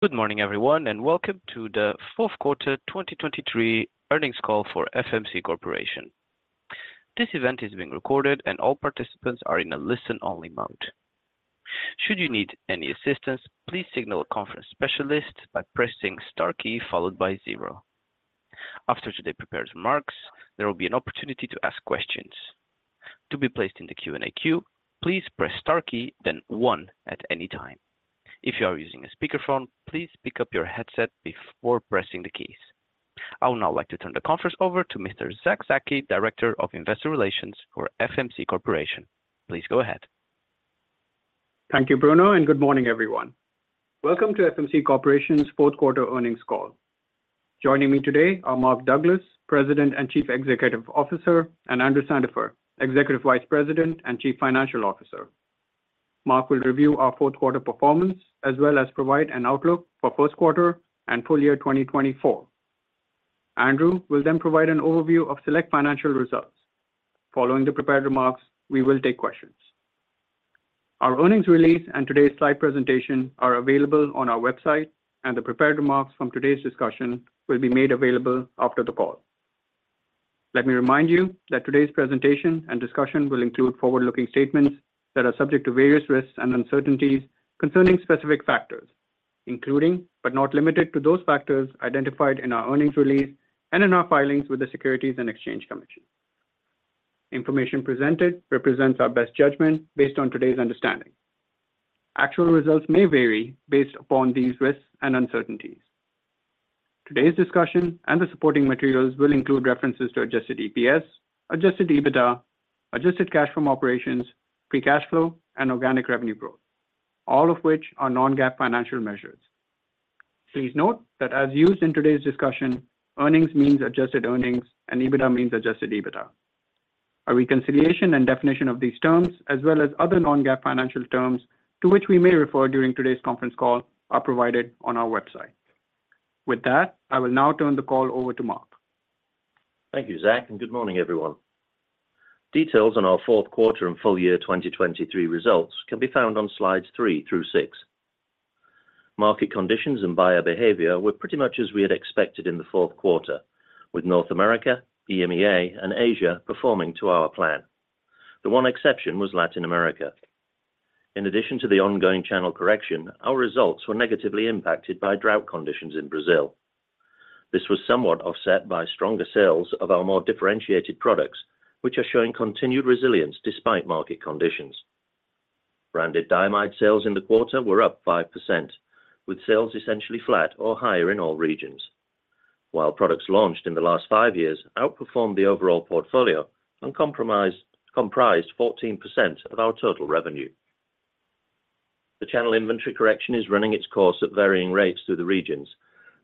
Good morning, everyone, and welcome to the Fourth Quarter 2023 Earnings Call for FMC Corporation. This event is being recorded, and all participants are in a listen-only mode. Should you need any assistance, please signal a conference specialist by pressing star key followed by zero. After today's prepared remarks, there will be an opportunity to ask questions. To be placed in the Q&A queue, please press star key, then one at any time. If you are using a speakerphone, please pick up your headset before pressing the keys. I would now like to turn the conference over to Mr. Zack Zaki, Director of Investor Relations for FMC Corporation. Please go ahead. Thank you, Bruno, and good morning, everyone. Welcome to FMC Corporation's Fourth Quarter Earnings Call. Joining me today are Mark Douglas, President and Chief Executive Officer, and Andrew Sandifer, Executive Vice President and Chief Financial Officer. Mark will review our fourth quarter performance, as well as provide an outlook for first quarter and full year 2024. Andrew will then provide an overview of select financial results. Following the prepared remarks, we will take questions. Our earnings release and today's slide presentation are available on our website, and the prepared remarks from today's discussion will be made available after the call. Let me remind you that today's presentation and discussion will include forward-looking statements that are subject to various risks and uncertainties concerning specific factors, including, but not limited to, those factors identified in our earnings release and in our filings with the Securities and Exchange Commission. Information presented represents our best judgment based on today's understanding. Actual results may vary based upon these risks and uncertainties. Today's discussion and the supporting materials will include references to adjusted EPS, adjusted EBITDA, adjusted cash from operations, free cash flow, and organic revenue growth, all of which are non-GAAP financial measures. Please note that as used in today's discussion, earnings means adjusted earnings and EBITDA means adjusted EBITDA. A reconciliation and definition of these terms, as well as other non-GAAP financial terms to which we may refer during today's conference call, are provided on our website. With that, I will now turn the call over to Mark. Thank you, Zack, and good morning, everyone. Details on our fourth quarter and full year 2023 results can be found on slides three through six. Market conditions and buyer behavior were pretty much as we had expected in the fourth quarter, with North America, EMEA, and Asia performing to our plan. The one exception was Latin America. In addition to the ongoing channel correction, our results were negatively impacted by drought conditions in Brazil. This was somewhat offset by stronger sales of our more differentiated products, which are showing continued resilience despite market conditions. Branded diamides sales in the quarter were up 5%, with sales essentially flat or higher in all regions. While products launched in the last five years outperformed the overall portfolio and comprised 14% of our total revenue. The channel inventory correction is running its course at varying rates through the regions,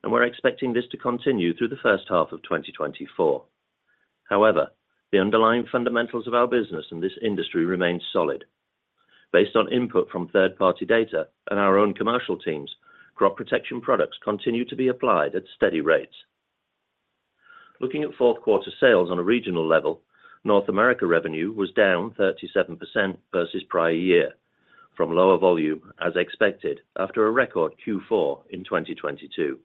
and we're expecting this to continue through the first half of 2024. However, the underlying fundamentals of our business in this industry remain solid. Based on input from third-party data and our own commercial teams, crop protection products continue to be applied at steady rates. Looking at fourth quarter sales on a regional level, North America revenue was down 37% versus prior year from lower volume, as expected, after a record Q4 in 2022.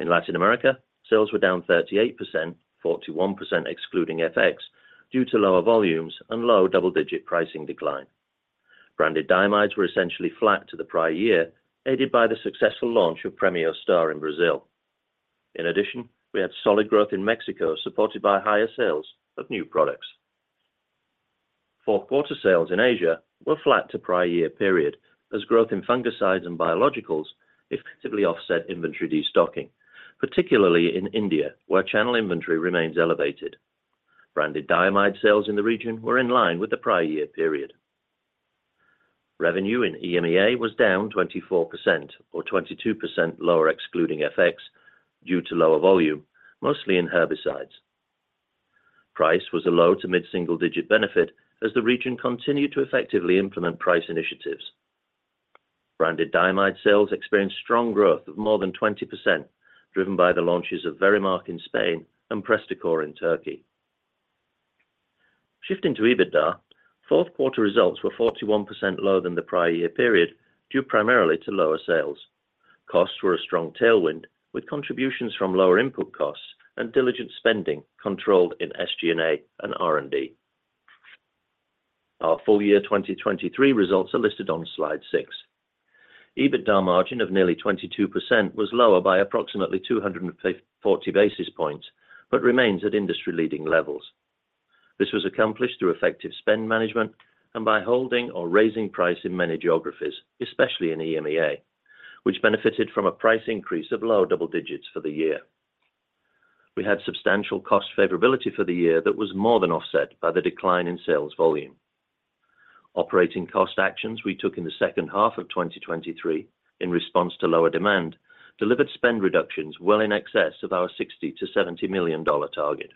In Latin America, sales were down 38%, 41% excluding FX, due to lower volumes and low double-digit pricing decline. Branded diamides were essentially flat to the prior year, aided by the successful launch of Premio Star in Brazil. In addition, we had solid growth in Mexico, supported by higher sales of new products. Fourth quarter sales in Asia were flat to prior year period, as growth in fungicides and biologicals effectively offset inventory destocking, particularly in India, where channel inventory remains elevated. Branded diamides sales in the region were in line with the prior year period. Revenue in EMEA was down 24% or 22% lower, excluding FX, due to lower volume, mostly in herbicides. Price was a low to mid-single digit benefit as the region continued to effectively implement price initiatives. Branded diamides sales experienced strong growth of more than 20%, driven by the launches of Verimark in Spain and Prestacor in Turkey. Shifting to EBITDA, fourth quarter results were 41% lower than the prior year period, due primarily to lower sales. Costs were a strong tailwind, with contributions from lower input costs and diligent spending controlled in SG&A and R&D. Our full year 2023 results are listed on slide six. EBITDA margin of nearly 22% was lower by approximately 240 basis points, but remains at industry-leading levels. This was accomplished through effective spend management and by holding or raising price in many geographies, especially in EMEA, which benefited from a price increase of low double digits for the year. We had substantial cost favorability for the year that was more than offset by the decline in sales volume. Operating cost actions we took in the second half of 2023 in response to lower demand, delivered spend reductions well in excess of our $60 million-$70 million target.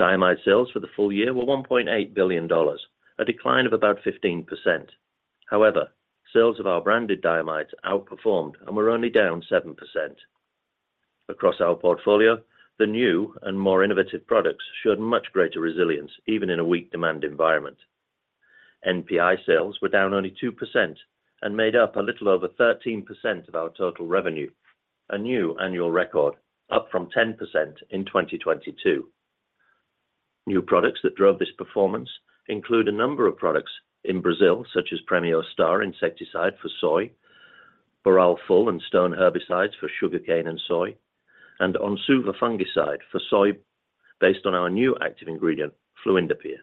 Diamides sales for the full year were $1.8 billion, a decline of about 15%. However, sales of our branded Diamides outperformed and were only down 7%. Across our portfolio, the new and more innovative products showed much greater resilience, even in a weak demand environment. NPI sales were down only 2% and made up a little over 13% of our total revenue, a new annual record, up from 10% in 2022. New products that drove this performance include a number of products in Brazil, such as Premio Star insecticide for soy, Boral Full and Stone herbicides for sugarcane and soy, and Onsuva fungicide for soy, based on our new active ingredient, fluindapyr.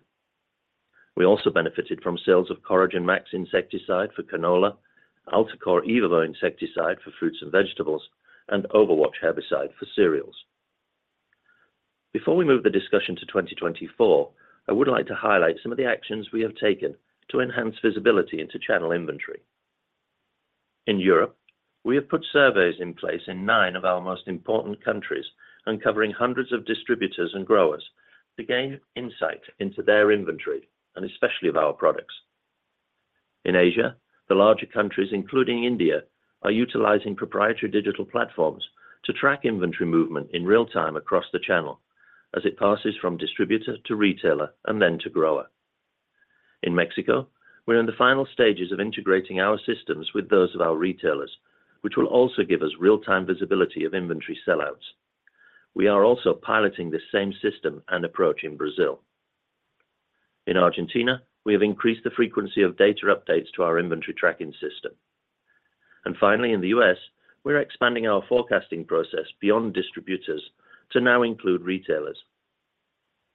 We also benefited from sales of Coragen MaX insecticide for canola, Altacor eVo insecticide for fruits and vegetables, and Overwatch herbicide for cereals. Before we move the discussion to 2024, I would like to highlight some of the actions we have taken to enhance visibility into channel inventory. In Europe, we have put surveys in place in nine of our most important countries and covering hundreds of distributors and growers to gain insight into their inventory, and especially of our products. In Asia, the larger countries, including India, are utilizing proprietary digital platforms to track inventory movement in real time across the channel as it passes from distributor to retailer and then to grower. In Mexico, we are in the final stages of integrating our systems with those of our retailers, which will also give us real-time visibility of inventory sellouts. We are also piloting this same system and approach in Brazil. In Argentina, we have increased the frequency of data updates to our inventory tracking system. And finally, in the U.S., we are expanding our forecasting process beyond distributors to now include retailers.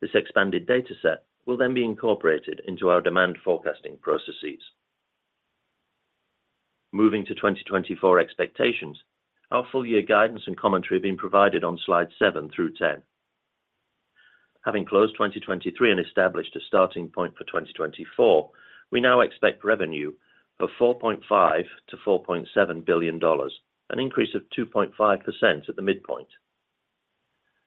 This expanded data set will then be incorporated into our demand forecasting processes. Moving to 2024 expectations, our full year guidance and commentary have been provided on slide seven through 10. Having closed 2023 and established a starting point for 2024, we now expect revenue of $4.5 billion-$4.7 billion, an increase of 2.5% at the midpoint.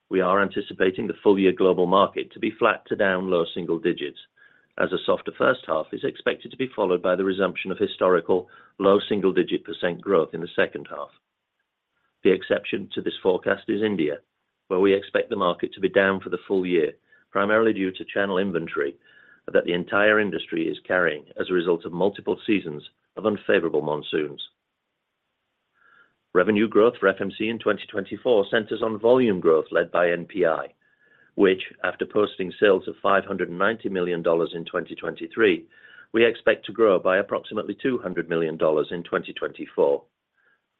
We are anticipating the full year global market to be flat to down low single digits, as a softer first half is expected to be followed by the resumption of historical low single-digit % growth in the second half. The exception to this forecast is India, where we expect the market to be down for the full year, primarily due to channel inventory that the entire industry is carrying as a result of multiple seasons of unfavorable monsoons. Revenue growth for FMC in 2024 centers on volume growth led by NPI, which, after posting sales of $590 million in 2023, we expect to grow by approximately $200 million in 2024.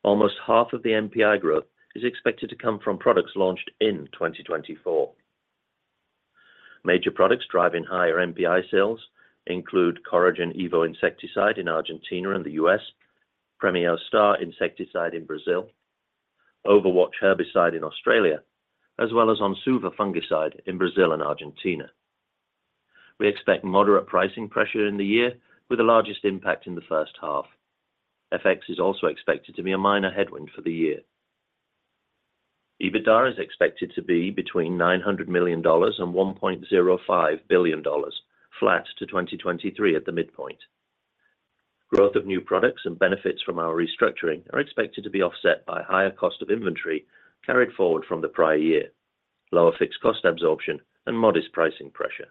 Almost half of the NPI growth is expected to come from products launched in 2024. Major products driving higher NPI sales include Coragen eVo insecticide in Argentina and the U.S., Premio Star insecticide in Brazil, Overwatch herbicide in Australia, as well as Onsuva fungicide in Brazil and Argentina. We expect moderate pricing pressure in the year, with the largest impact in the first half. FX is also expected to be a minor headwind for the year. EBITDA is expected to be between $900 million and $1.05 billion, flat to 2023 at the midpoint. Growth of new products and benefits from our restructuring are expected to be offset by higher cost of inventory carried forward from the prior year, lower fixed cost absorption, and modest pricing pressure.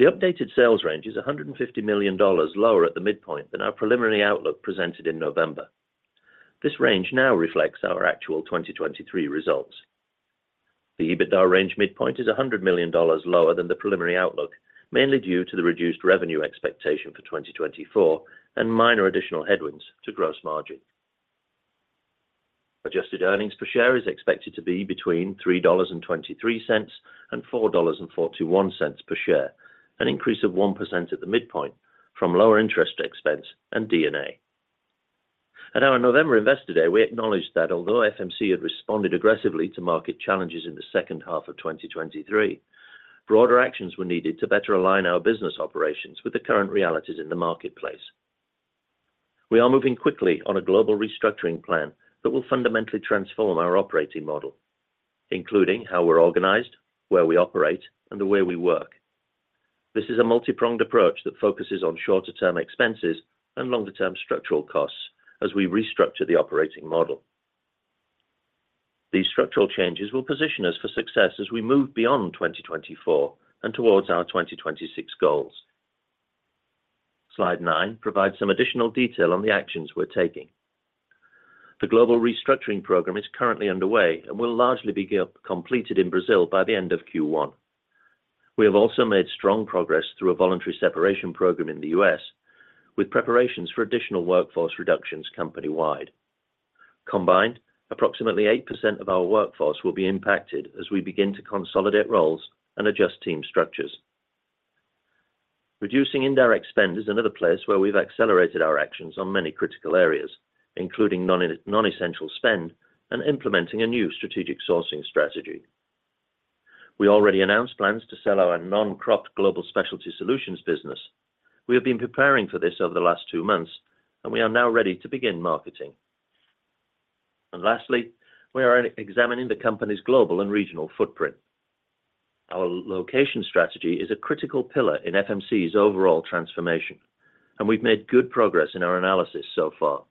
The updated sales range is $150 million lower at the midpoint than our preliminary outlook presented in November. This range now reflects our actual 2023 results. The EBITDA range midpoint is $100 million lower than the preliminary outlook, mainly due to the reduced revenue expectation for 2024 and minor additional headwinds to gross margin. Adjusted Earnings Per Share is expected to be between $3.23 and $4.41 per share, an increase of 1% at the midpoint from lower interest expense and D&A. At our November Investor Day, we acknowledged that although FMC had responded aggressively to market challenges in the second half of 2023, broader actions were needed to better align our business operations with the current realities in the marketplace. We are moving quickly on a global restructuring plan that will fundamentally transform our operating model, including how we're organized, where we operate, and the way we work. This is a multi-pronged approach that focuses on shorter-term expenses and longer-term structural costs as we restructure the operating model. These structural changes will position us for success as we move beyond 2024 and towards our 2026 goals. Slide nine provides some additional detail on the actions we're taking. The global restructuring program is currently underway and will largely be completed in Brazil by the end of Q1. We have also made strong progress through a voluntary separation program in the U.S., with preparations for additional workforce reductions company-wide. Combined, approximately 8% of our workforce will be impacted as we begin to consolidate roles and adjust team structures. Reducing indirect spend is another place where we've accelerated our actions on many critical areas, including non-essential spend and implementing a new strategic sourcing strategy. We already announced plans to sell our non-crop Global Specialty Solutions business. We have been preparing for this over the last two months, and we are now ready to begin marketing. And lastly, we are examining the company's global and regional footprint. Our location strategy is a critical pillar in FMC's overall transformation, and we've made good progress in our analysis so far.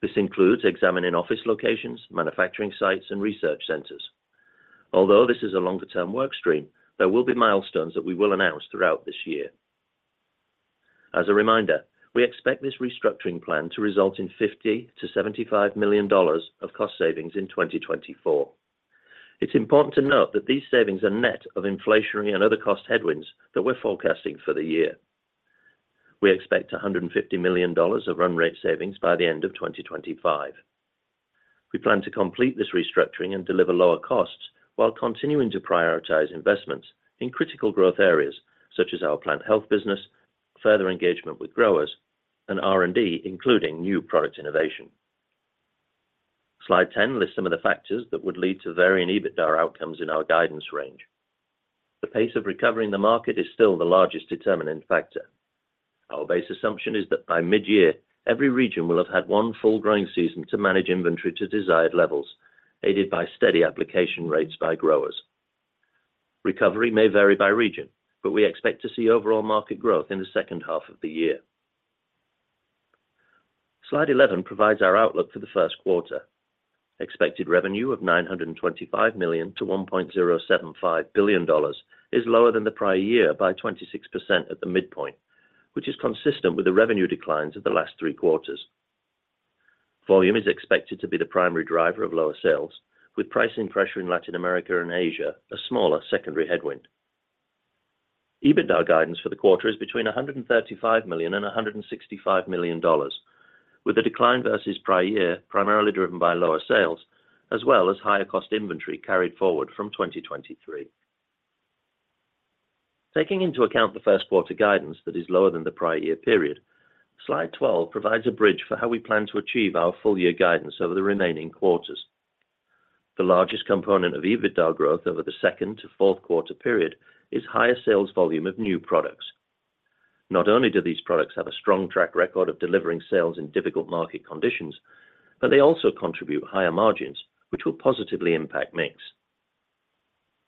This includes examining office locations, manufacturing sites, and research centers. Although this is a longer-term work stream, there will be milestones that we will announce throughout this year. As a reminder, we expect this restructuring plan to result in $50 million-$75 million of cost savings in 2024. It's important to note that these savings are net of inflationary and other cost headwinds that we're forecasting for the year. We expect $150 million of run rate savings by the end of 2025. We plan to complete this restructuring and deliver lower costs while continuing to prioritize investments in critical growth areas, such as our plant health business, further engagement with growers, and R&D, including new product innovation. Slide 10 lists some of the factors that would lead to varying EBITDA outcomes in our guidance range. The pace of recovering the market is still the largest determinant factor. Our base assumption is that by mid-year, every region will have had one full growing season to manage inventory to desired levels, aided by steady application rates by growers. Recovery may vary by region, but we expect to see overall market growth in the second half of the year. Slide 11 provides our outlook for the first quarter. Expected revenue of $925 million-$1.075 billion is lower than the prior year by 26% at the midpoint, which is consistent with the revenue declines of the last three quarters. Volume is expected to be the primary driver of lower sales, with pricing pressure in Latin America and Asia, a smaller secondary headwind. EBITDA guidance for the quarter is between $135 million and $165 million, with a decline versus prior year, primarily driven by lower sales, as well as higher cost inventory carried forward from 2023. Taking into account the first quarter guidance that is lower than the prior year period, slide 12 provides a bridge for how we plan to achieve our full year guidance over the remaining quarters. The largest component of EBITDA growth over the second to fourth quarter period is higher sales volume of new products. Not only do these products have a strong track record of delivering sales in difficult market conditions, but they also contribute higher margins, which will positively impact mix.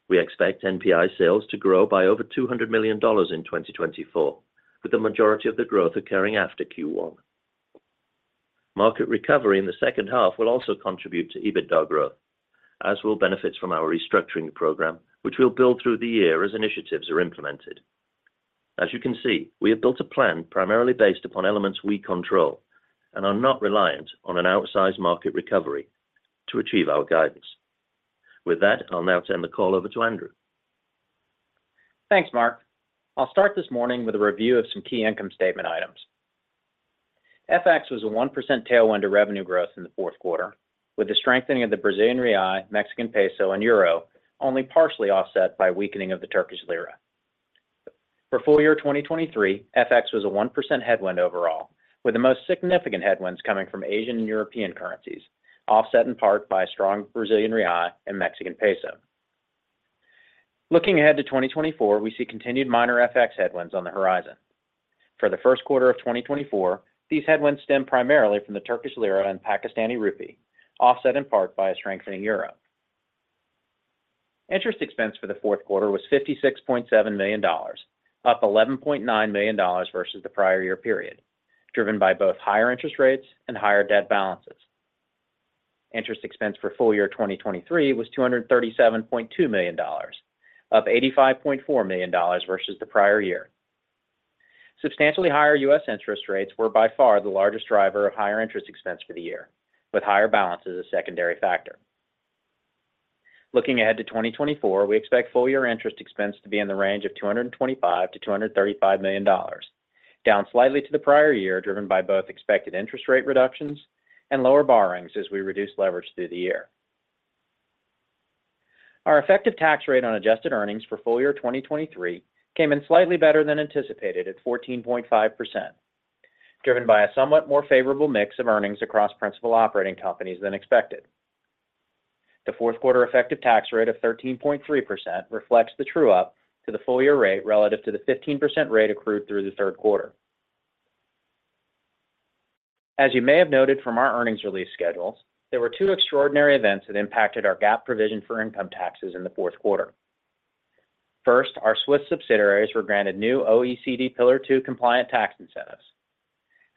We expect NPI sales to grow by over $200 million in 2024, with the majority of the growth occurring after Q1. Market recovery in the second half will also contribute to EBITDA growth, as will benefits from our restructuring program, which will build through the year as initiatives are implemented. As you can see, we have built a plan primarily based upon elements we control and are not reliant on an outsized market recovery to achieve our guidance. With that, I'll now turn the call over to Andrew. Thanks, Mark. I'll start this morning with a review of some key income statement items. FX was a 1% tailwind to revenue growth in the fourth quarter, with the strengthening of the Brazilian real, Mexican peso, and euro only partially offset by weakening of the Turkish lira. For full year 2023, FX was a 1% headwind overall, with the most significant headwinds coming from Asian and European currencies, offset in part by a strong Brazilian real and Mexican peso. Looking ahead to 2024, we see continued minor FX headwinds on the horizon. For the first quarter of 2024, these headwinds stem primarily from the Turkish lira and Pakistani rupee, offset in part by a strengthening euro. Interest expense for the fourth quarter was $56.7 million, up $11.9 million versus the prior year period, driven by both higher interest rates and higher debt balances. Interest expense for full year 2023 was $237.2 million, up $85.4 million versus the prior year. Substantially higher U.S. interest rates were by far the largest driver of higher interest expense for the year, with higher balance as a secondary factor. Looking ahead to 2024, we expect full year interest expense to be in the range of $225 million-$235 million, down slightly to the prior year, driven by both expected interest rate reductions and lower borrowings as we reduce leverage through the year. Our effective tax rate on adjusted earnings for full year 2023 came in slightly better than anticipated at 14.5%, driven by a somewhat more favorable mix of earnings across principal operating companies than expected. The fourth quarter effective tax rate of 13.3% reflects the true up to the full year rate relative to the 15% rate accrued through the third quarter. As you may have noted from our earnings release schedules, there were two extraordinary events that impacted our GAAP provision for income taxes in the fourth quarter. First, our Swiss subsidiaries were granted new OECD Pillar Two compliant tax incentives.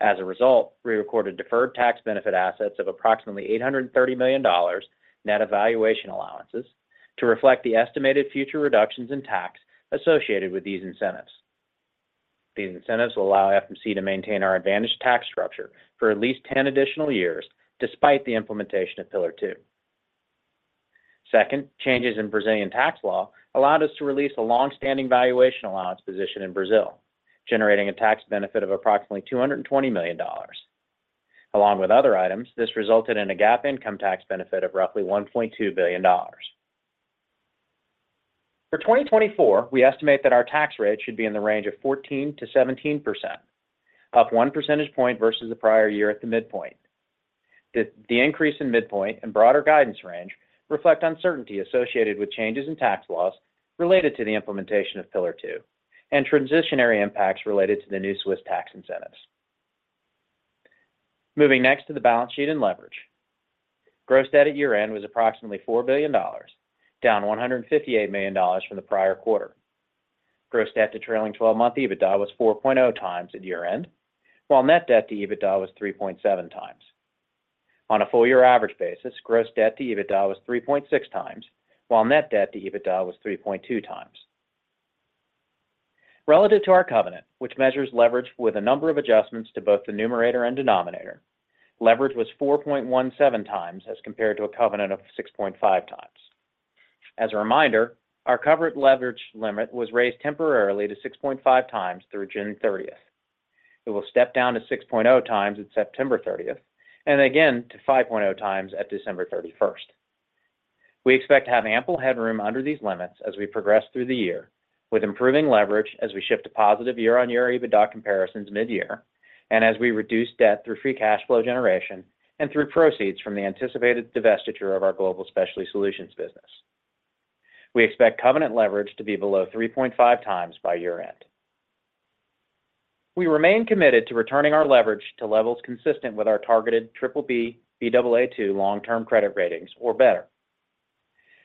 As a result, we recorded deferred tax benefit assets of approximately $830 million net of valuation allowances to reflect the estimated future reductions in tax associated with these incentives. These incentives will allow FMC to maintain our advantageous tax structure for at least 10 additional years, despite the implementation of Pillar Two. Second, changes in Brazilian tax law allowed us to release a long-standing valuation allowance position in Brazil, generating a tax benefit of approximately $220 million. Along with other items, this resulted in a GAAP income tax benefit of roughly $1.2 billion. For 2024, we estimate that our tax rate should be in the range of 14%-17%, up one percentage point versus the prior year at the midpoint. The increase in midpoint and broader guidance range reflect uncertainty associated with changes in tax laws related to the implementation of Pillar Two and transitionary impacts related to the new Swiss tax incentives. Moving next to the balance sheet and leverage. Gross debt at year-end was approximately $4 billion, down $158 million from the prior quarter. Gross debt to trailing twelve-month EBITDA was 4.0 times at year-end, while net debt to EBITDA was 3.7 times. On a full year average basis, gross debt to EBITDA was 3.6 times, while net debt to EBITDA was 3.2 times. Relative to our covenant, which measures leverage with a number of adjustments to both the numerator and denominator, leverage was 4.17 times as compared to a covenant of 6.5 times. As a reminder, our covered leverage limit was raised temporarily to 6.5 times through June thirtieth. It will step down to 6.0 times at September 30th, and again to 5.0 times at December 31st. We expect to have ample headroom under these limits as we progress through the year, with improving leverage as we shift to positive year-on-year EBITDA comparisons mid-year, and as we reduce debt through free cash flow generation and through proceeds from the anticipated divestiture of our Global Specialty Solutions business. We expect covenant leverage to be below 3.5x by year-end. We remain committed to returning our leverage to levels consistent with our targeted BBB, Baa2 long-term credit ratings or better.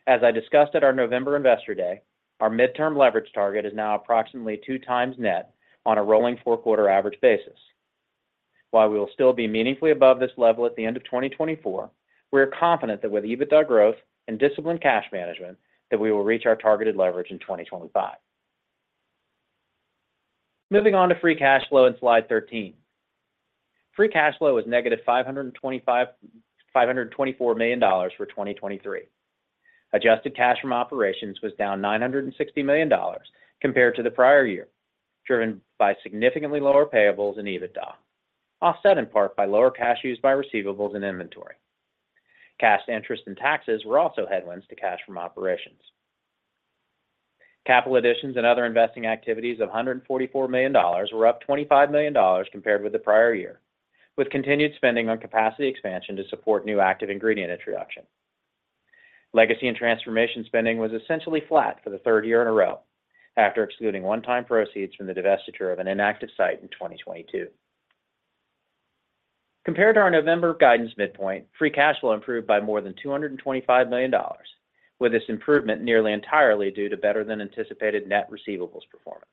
As I discussed at our November Investor Day, our midterm leverage target is now approximately 2x net on a rolling four-quarter average basis. While we will still be meaningfully above this level at the end of 2024, we are confident that with EBITDA growth and disciplined cash management, that we will reach our targeted leverage in 2025. Moving on to Free Cash Flow on slide 13. Free Cash Flow was negative $524 million for 2023. Adjusted Cash from Operations was down $960 million compared to the prior year, driven by significantly lower payables and EBITDA, offset in part by lower cash used by receivables and inventory. Cash interest and taxes were also headwinds to cash from operations. Capital additions and other investing activities of $144 million were up $25 million compared with the prior year, with continued spending on capacity expansion to support new active ingredient introduction. Legacy and transformation spending was essentially flat for the third year in a row, after excluding one-time proceeds from the divestiture of an inactive site in 2022. Compared to our November guidance midpoint, Free Cash Flow improved by more than $225 million, with this improvement nearly entirely due to better than anticipated net receivables performance.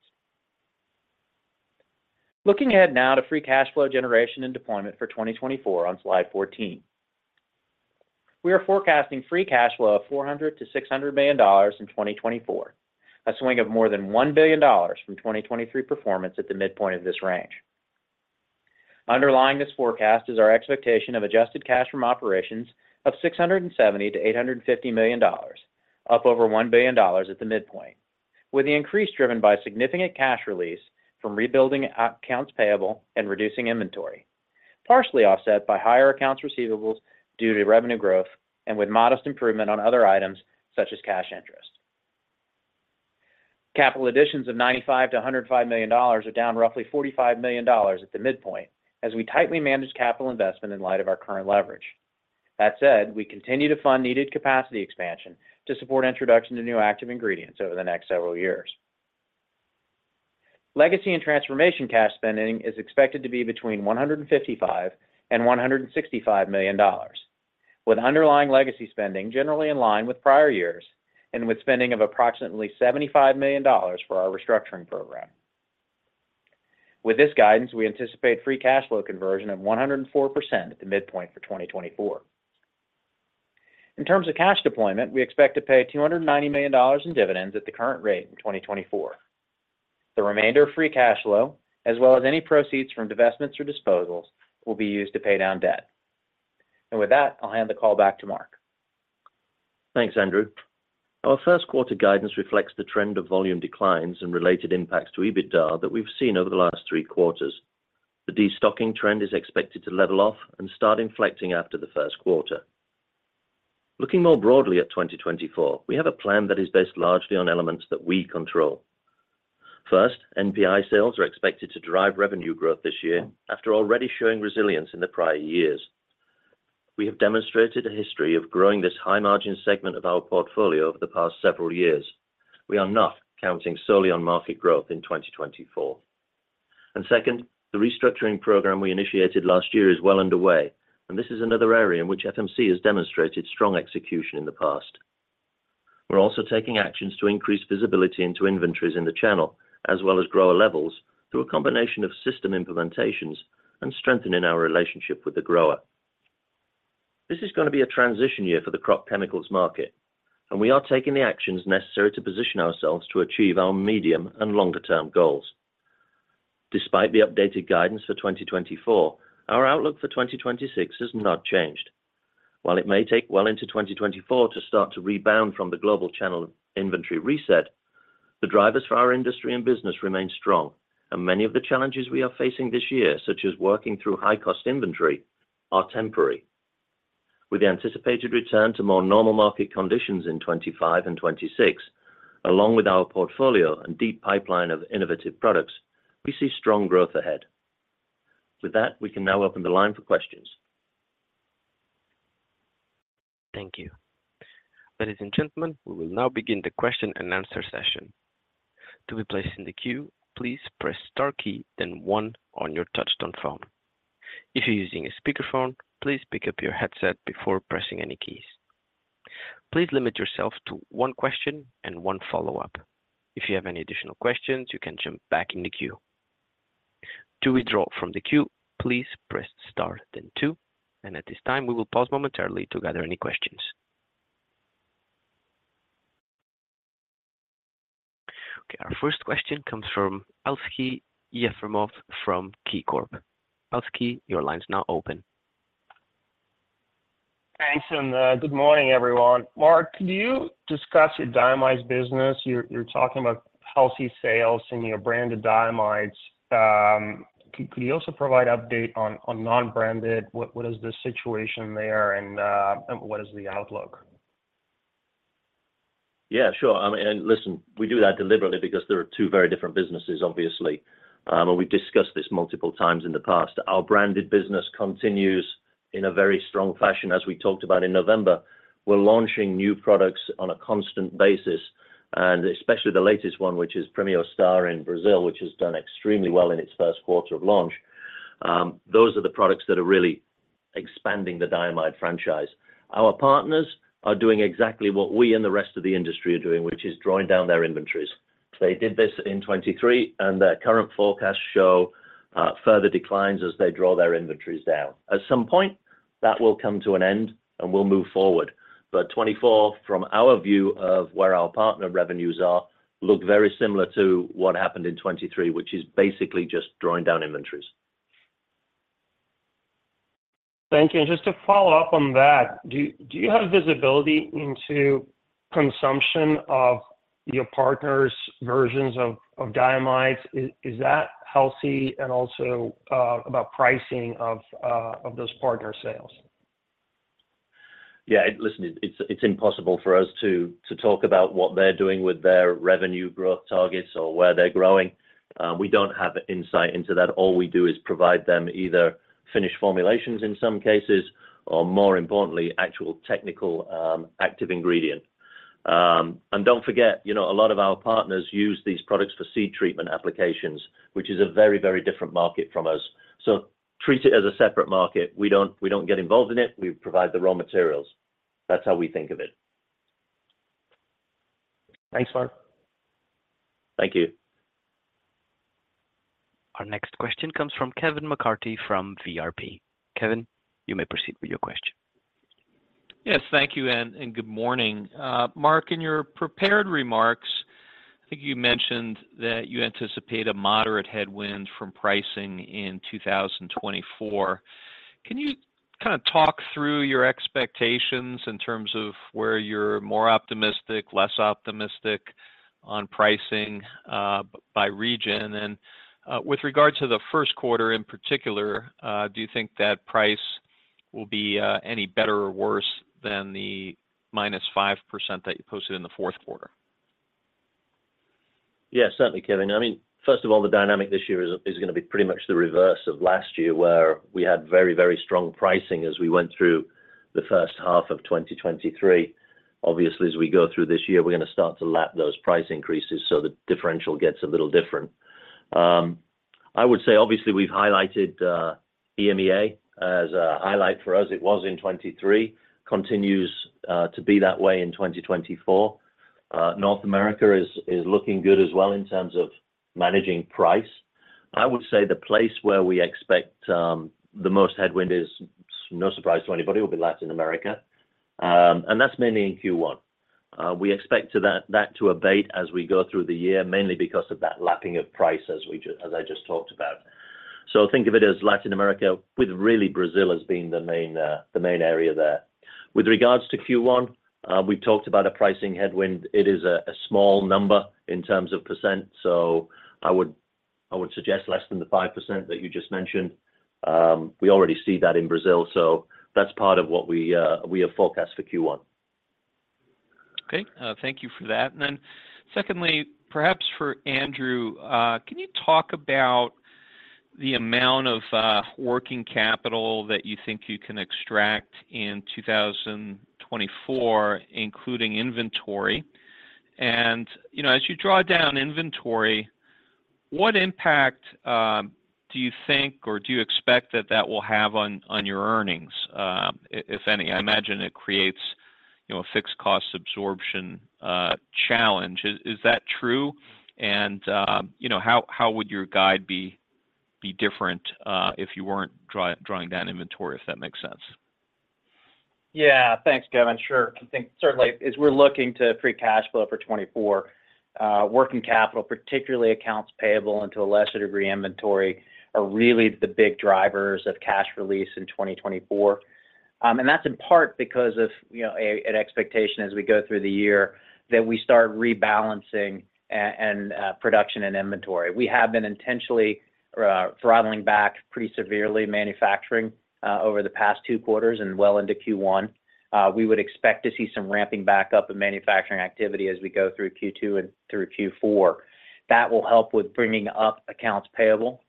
Looking ahead now to Free Cash Flow generation and deployment for 2024 on slide 14. We are forecasting Free Cash Flow of $400 million-$600 million in 2024, a swing of more than $1 billion from 2023 performance at the midpoint of this range. Underlying this forecast is our expectation of Adjusted Cash from Operations of $670 million-$850 million, up over $1 billion at the midpoint, with the increase driven by significant cash release from rebuilding accounts payable and reducing inventory, partially offset by higher accounts receivables due to revenue growth and with modest improvement on other items such as cash interest. Capital additions of $95 million-$105 million are down roughly $45 million at the midpoint, as we tightly manage capital investment in light of our current leverage. That said, we continue to fund needed capacity expansion to support introduction to new active ingredients over the next several years. Legacy and transformation cash spending is expected to be between $155 million and $165 million, with underlying legacy spending generally in line with prior years and with spending of approximately $75 million for our restructuring program. With this guidance, we anticipate free cash flow conversion of 104% at the midpoint for 2024. In terms of cash deployment, we expect to pay $290 million in dividends at the current rate in 2024. The remainder of free cash flow, as well as any proceeds from divestments or disposals, will be used to pay down debt. With that, I'll hand the call back to Mark. Thanks, Andrew. Our first quarter guidance reflects the trend of volume declines and related impacts to EBITDA that we've seen over the last three quarters. The destocking trend is expected to level off and start inflecting after the first quarter. Looking more broadly at 2024, we have a plan that is based largely on elements that we control. First, NPI sales are expected to drive revenue growth this year after already showing resilience in the prior years. We have demonstrated a history of growing this high-margin segment of our portfolio over the past several years. We are not counting solely on market growth in 2024. And second, the restructuring program we initiated last year is well underway, and this is another area in which FMC has demonstrated strong execution in the past. We're also taking actions to increase visibility into inventories in the channel, as well as grower levels, through a combination of system implementations and strengthening our relationship with the grower. This is going to be a transition year for the crop chemicals market, and we are taking the actions necessary to position ourselves to achieve our medium and longer-term goals. Despite the updated guidance for 2024, our outlook for 2026 has not changed. While it may take well into 2024 to start to rebound from the global channel inventory reset, the drivers for our industry and business remain strong, and many of the challenges we are facing this year, such as working through high-cost inventory, are temporary. With the anticipated return to more normal market conditions in 2025 and 2026, along with our portfolio and deep pipeline of innovative products, we see strong growth ahead. With that, we can now open the line for questions. Thank you. Ladies and gentlemen, we will now begin the question and answer session. To be placed in the queue, please press star key, then one on your touchtone phone. If you're using a speakerphone, please pick up your headset before pressing any keys. Please limit yourself to one question and one follow-up. If you have any additional questions, you can jump back in the queue. To withdraw from the queue, please press star, then two, and at this time, we will pause momentarily to gather any questions. Okay, our first question comes from Aleksey Yefremov from KeyBanc Capital Markets. Aleksey, your line is now open. Thanks, and good morning, everyone. Mark, could you discuss your diamides business? You're talking about healthy sales in your branded diamides. Could you also provide update on non-branded? What is the situation there, and what is the outlook? Yeah, sure. And listen, we do that deliberately because there are two very different businesses, obviously, and we've discussed this multiple times in the past. Our branded business continues in a very strong fashion. As we talked about in November, we're launching new products on a constant basis, and especially the latest one, which is Premio Star in Brazil, which has done extremely well in its first quarter of launch. Those are the products that are really expanding the diamide franchise. Our partners are doing exactly what we and the rest of the industry are doing, which is drawing down their inventories. They did this in 2023, and their current forecasts show further declines as they draw their inventories down. At some point, that will come to an end, and we'll move forward. 2024, from our view of where our partner revenues are, look very similar to what happened in 2023, which is basically just drawing down inventories. Thank you. Just to follow up on that, do you have visibility into consumption of your partners' versions of diamides? Is that healthy, and also about pricing of those partner sales? Yeah, listen, it's impossible for us to talk about what they're doing with their revenue growth targets or where they're growing. We don't have insight into that. All we do is provide them either finished formulations in some cases, or more importantly, actual technical active ingredient. And don't forget, you know, a lot of our partners use these products for seed treatment applications, which is a very, very different market from us. So treat it as a separate market. We don't get involved in it. We provide the raw materials. That's how we think of it. Thanks, Mark. Thank you. Our next question comes from Kevin McCarthy from VRP. Kevin, you may proceed with your question. Yes, thank you, and good morning. Mark, in your prepared remarks, I think you mentioned that you anticipate a moderate headwind from pricing in 2024. Can you kind of talk through your expectations in terms of where you're more optimistic, less optimistic on pricing by region? And with regard to the first quarter, in particular, do you think that price will be any better or worse than the -5% that you posted in the fourth quarter? Yeah, certainly, Kevin. I mean, first of all, the dynamic this year is gonna be pretty much the reverse of last year, where we had very, very strong pricing as we went through the first half of 2023. Obviously, as we go through this year, we're gonna start to lap those price increases, so the differential gets a little different. I would say, obviously, we've highlighted EMEA as a highlight for us. It was in twenty-three, continues to be that way in 2024. North America is looking good as well in terms of managing price. I would say the place where we expect the most headwind is no surprise to anybody, will be Latin America. And that's mainly in Q1. We expect that to abate as we go through the year, mainly because of that lapping of price, as I just talked about. So think of it as Latin America, with really Brazil as being the main area there. With regards to Q1, we talked about a pricing headwind. It is a small number in terms of percent, so I would suggest less than the 5% that you just mentioned. We already see that in Brazil, so that's part of what we have forecast for Q1. Okay, thank you for that. And then secondly, perhaps for Andrew, can you talk about the amount of working capital that you think you can extract in 2024, including inventory? And, you know, as you draw down inventory, what impact do you think, or do you expect that that will have on your earnings, if any? I imagine it creates, you know, a fixed cost absorption challenge. Is that true? And, you know, how would your guide be different if you weren't drawing down inventory, if that makes sense? Yeah. Thanks, Kevin. Sure. I think certainly, as we're looking to free cash flow for 2024, working capital, particularly accounts payable, and to a lesser degree, inventory, are really the big drivers of cash release in 2024. And that's in part because of, you know, an expectation as we go through the year, that we start rebalancing and production and inventory. We have been intentionally throttling back pretty severely manufacturing over the past two quarters and well into Q1. We would expect to see some ramping back up in manufacturing activity as we go through Q2 and through Q4. That will help with bringing up accounts payable.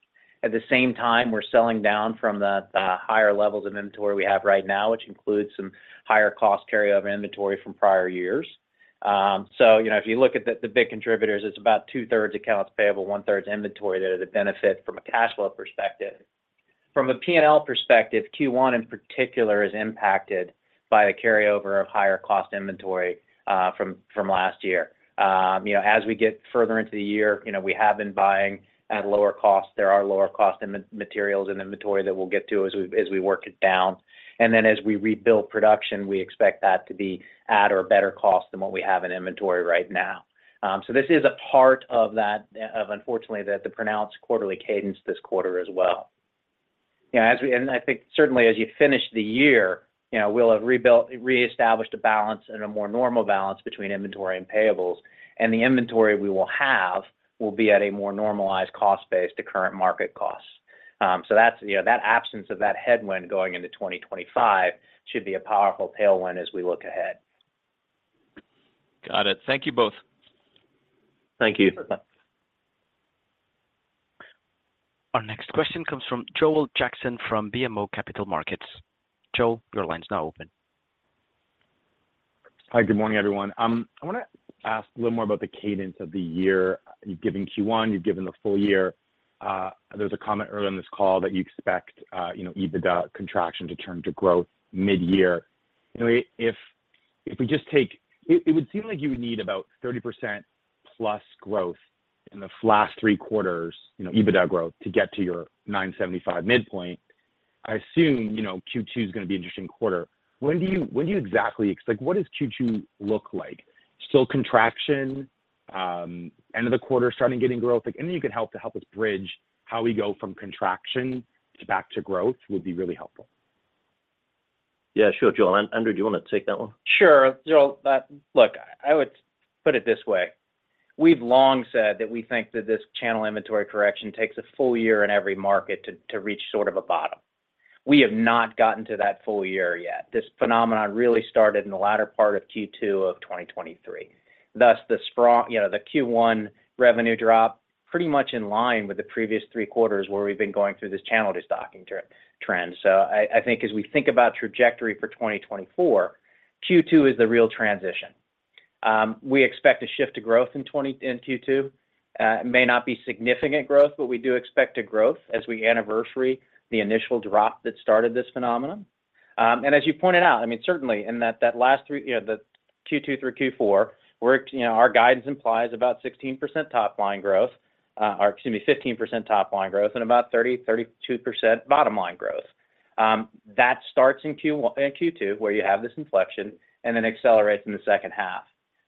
At the same time, we're selling down from the higher levels of inventory we have right now, which includes some higher cost carryover inventory from prior years. So, you know, if you look at the big contributors, it's about 2/3 accounts payable, 1/3 inventory that are the benefit from a cash flow perspective. From a P&L perspective, Q1 in particular is impacted by the carryover of higher cost inventory from last year. You know, as we get further into the year, you know, we have been buying at lower costs. There are lower cost in materials and inventory that we'll get to as we work it down, and then as we rebuild production, we expect that to be at or better cost than what we have in inventory right now. So this is a part of that, unfortunately, the pronounced quarterly cadence this quarter as well. Yeah, as we and I think certainly as you finish the year, you know, we'll have reestablished a balance and a more normal balance between inventory and payables. And the inventory we will have will be at a more normalized cost base to current market costs. So that's, you know, that absence of that headwind going into 2025 should be a powerful tailwind as we look ahead. Got it. Thank you both. Thank you. Bye-bye. Our next question comes from Joel Jackson from BMO Capital Markets. Joel, your line's now open. Hi, good morning, everyone. I wanna ask a little more about the cadence of the year. You've given Q1, you've given the full year. There was a comment earlier in this call that you expect, you know, EBITDA contraction to turn to growth mid-year. You know, if we just take. It would seem like you would need about 30% plus growth in the last three quarters, you know, EBITDA growth, to get to your $975 midpoint. I assume, you know, Q2 is gonna be an interesting quarter. When do you exactly expect—like, what does Q2 look like? Still contraction, end of the quarter starting getting growth? Like, anything you can help to help us bridge how we go from contraction to back to growth would be really helpful. Yeah, sure, Joel. And, Andrew, do you wanna take that one? Sure. Joel, look, I would put it this way. We've long said that we think that this channel inventory correction takes a full year in every market to reach sort of a bottom. We have not gotten to that full year yet. This phenomenon really started in the latter part of Q2 of 2023. Thus, you know, the Q1 revenue drop pretty much in line with the previous three quarters, where we've been going through this channel de-stocking trend. So I think as we think about trajectory for 2024, Q2 is the real transition. We expect a shift to growth in 2024 in Q2. It may not be significant growth, but we do expect a growth as we anniversary the initial drop that started this phenomenon. And as you pointed out, I mean, certainly in that last three, you know, the Q2 through Q4, we're, you know, our guidance implies about 16% top-line growth, or excuse me, 15% top line growth and about 30-32% bottom line growth. That starts in Q1, Q2, where you have this inflection and then accelerates in the second half.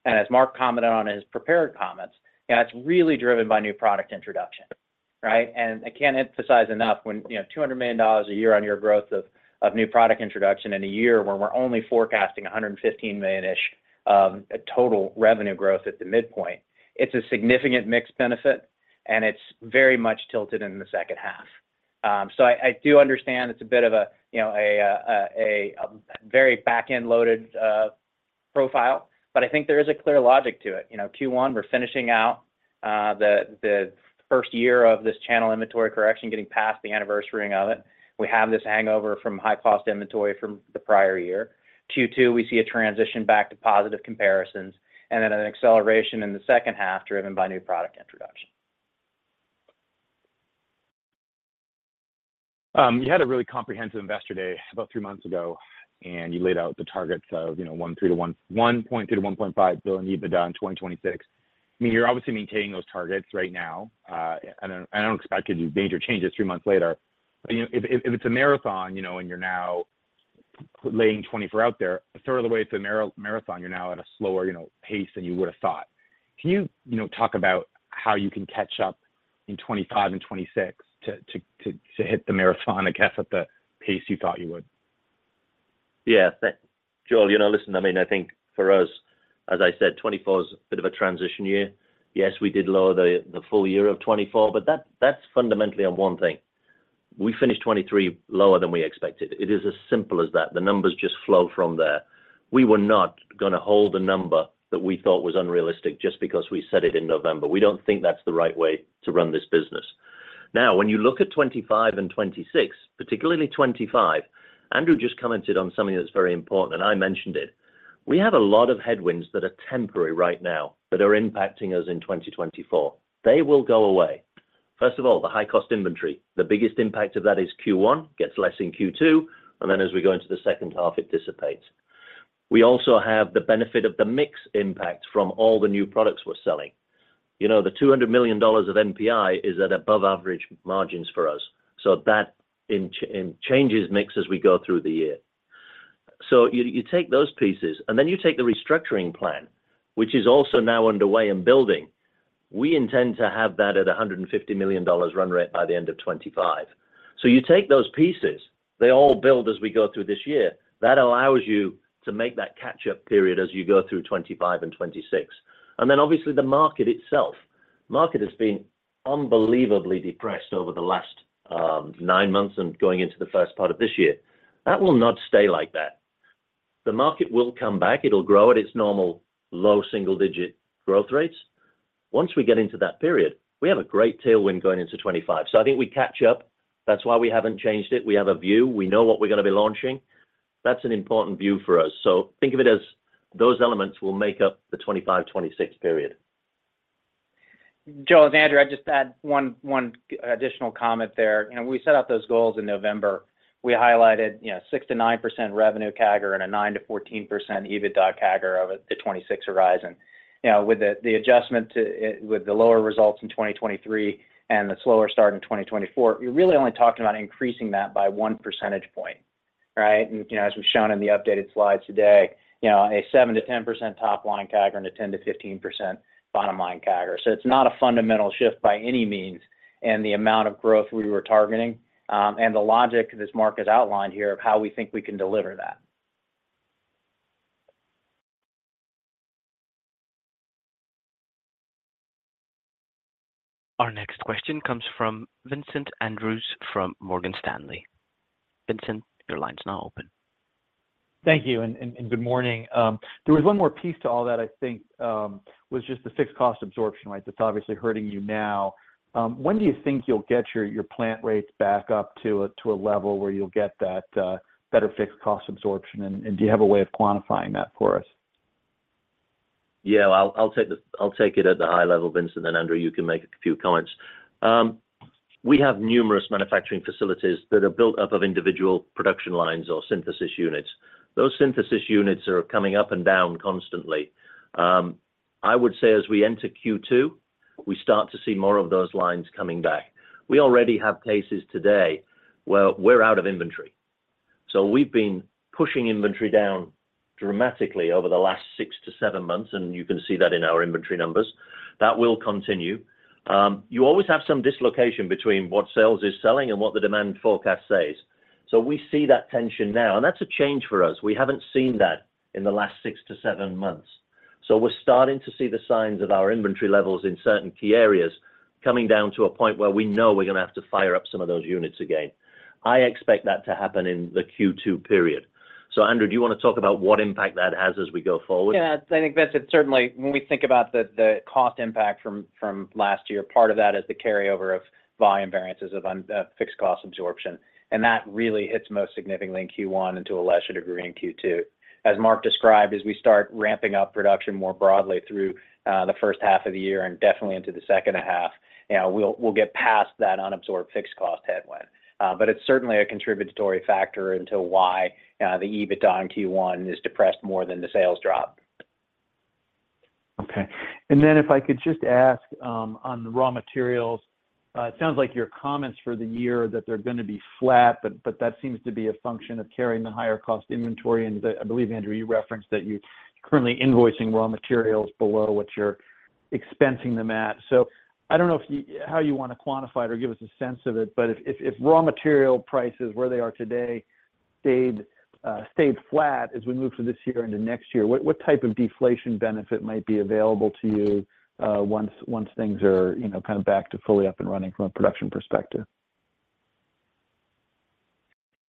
And as Mark commented on his prepared comments, that's really driven by new product introduction, right? And I can't emphasize enough when, you know, $200 million year-on-year growth of new product introduction in a year where we're only forecasting $115 million-ish, total revenue growth at the midpoint. It's a significant mixed benefit, and it's very much tilted in the second half. So I do understand it's a bit of a, you know, very back-end loaded profile, but I think there is a clear logic to it. You know, Q1, we're finishing out the first year of this channel inventory correction, getting past the anniversarying of it. We have this hangover from high-cost inventory from the prior year. Q2, we see a transition back to positive comparisons, and then an acceleration in the second half, driven by new product introduction. You had a really comprehensive investor day about three months ago, and you laid out the targets of, you know, $1.3 billion-$1.5 billion EBITDA in 2026. I mean, you're obviously maintaining those targets right now, and I don't expect you to make major changes three months later. But, you know, if it's a marathon, you know, and you're now laying 2024 out there, a third of the way, it's a marathon, you're now at a slower, you know, pace than you would have thought. Can you, you know, talk about how you can catch up in 2025 and 2026 to hit the marathon, I guess, at the pace you thought you would? Yeah. Joel, you know, listen, I mean, I think for us, as I said, 2024 is a bit of a transition year. Yes, we did lower the full year of 2024, but that's fundamentally on one thing. We finished 2023 lower than we expected. It is as simple as that. The numbers just flow from there. We were not gonna hold a number that we thought was unrealistic just because we said it in November. We don't think that's the right way to run this business. Now, when you look at 2025 and 2026, particularly 2025, Andrew just commented on something that's very important, and I mentioned it. We have a lot of headwinds that are temporary right now that are impacting us in 2024. They will go away. First of all, the high cost inventory, the biggest impact of that is Q1, gets less in Q2, and then as we go into the second half, it dissipates. We also have the benefit of the mix impact from all the new products we're selling. You know, the $200 million of NPI is at above average margins for us, so that in changes mix as we go through the year. So you take those pieces, and then you take the restructuring plan, which is also now underway in building. We intend to have that at a $150 million run rate by the end of 2025. So you take those pieces, they all build as we go through this year. That allows you to make that catch up period as you go through 2025 and 2026. And then obviously, the market itself. Market has been unbelievably depressed over the last nine months and going into the first part of this year. That will not stay like that. The market will come back, it'll grow at its normal low single digit growth rates. Once we get into that period, we have a great tailwind going into 2025. So I think we catch up, that's why we haven't changed it. We have a view, we know what we're gonna be launching. That's an important view for us. So think of it as those elements will make up the 2025, 2026 period. Joe it's Andrew, I'd just add one, one additional comment there. You know, we set out those goals in November. We highlighted, you know, 6%-9% revenue CAGR and a 9%-14% EBITDA CAGR of the 2026 horizon. Now, with the, the adjustment to it, with the lower results in 2023 and the slower start in 2024, we really only talked about increasing that by one percentage point, right? And, you know, as we've shown in the updated slides today, you know, a 7%-10% top line CAGR and a 10%-15% bottom line CAGR. So it's not a fundamental shift by any means, and the amount of growth we were targeting, and the logic that Mark has outlined here of how we think we can deliver that. Our next question comes from Vincent Andrews from Morgan Stanley. Vincent, your line's now open. Thank you, and good morning. There was one more piece to all that I think was just the fixed cost absorption, right? It's obviously hurting you now. When do you think you'll get your plant rates back up to a level where you'll get that better fixed cost absorption? And do you have a way of quantifying that for us? Yeah, I'll take it at the high level, Vincent, then Andrew, you can make a few comments. We have numerous manufacturing facilities that are built up of individual production lines or synthesis units. Those synthesis units are coming up and down constantly. I would say as we enter Q2, we start to see more of those lines coming back. We already have cases today where we're out of inventory. So we've been pushing inventory down dramatically over the last six-seven months, and you can see that in our inventory numbers. That will continue. You always have some dislocation between what sales is selling and what the demand forecast says. So we see that tension now, and that's a change for us. We haven't seen that in the last six-seven months. So we're starting to see the signs of our inventory levels in certain key areas coming down to a point where we know we're gonna have to fire up some of those units again. I expect that to happen in the Q2 period. So Andrew, do you want to talk about what impact that has as we go forward? Yeah, I think that's it. Certainly, when we think about the cost impact from last year, part of that is the carryover of volume variances of unabsorbed fixed cost absorption, and that really hits most significantly in Q1 and to a lesser degree in Q2. As Mark described, as we start ramping up production more broadly through the first half of the year and definitely into the second half, you know, we'll get past that unabsorbed fixed cost headwind. But it's certainly a contributory factor into why the EBITDA in Q1 is depressed more than the sales drop. Okay. And then if I could just ask, on the raw materials, it sounds like your comments for the year, that they're gonna be flat, but, but that seems to be a function of carrying the higher cost inventory. And I believe, Andrew, you referenced that you're currently invoicing raw materials below what you're expensing them at. So I don't know if you, how you wanna quantify it or give us a sense of it, but if raw material prices, where they are today, stayed, stayed flat as we move through this year into next year, what, what type of deflation benefit might be available to you, once, once things are, you know, kind of back to fully up and running from a production perspective?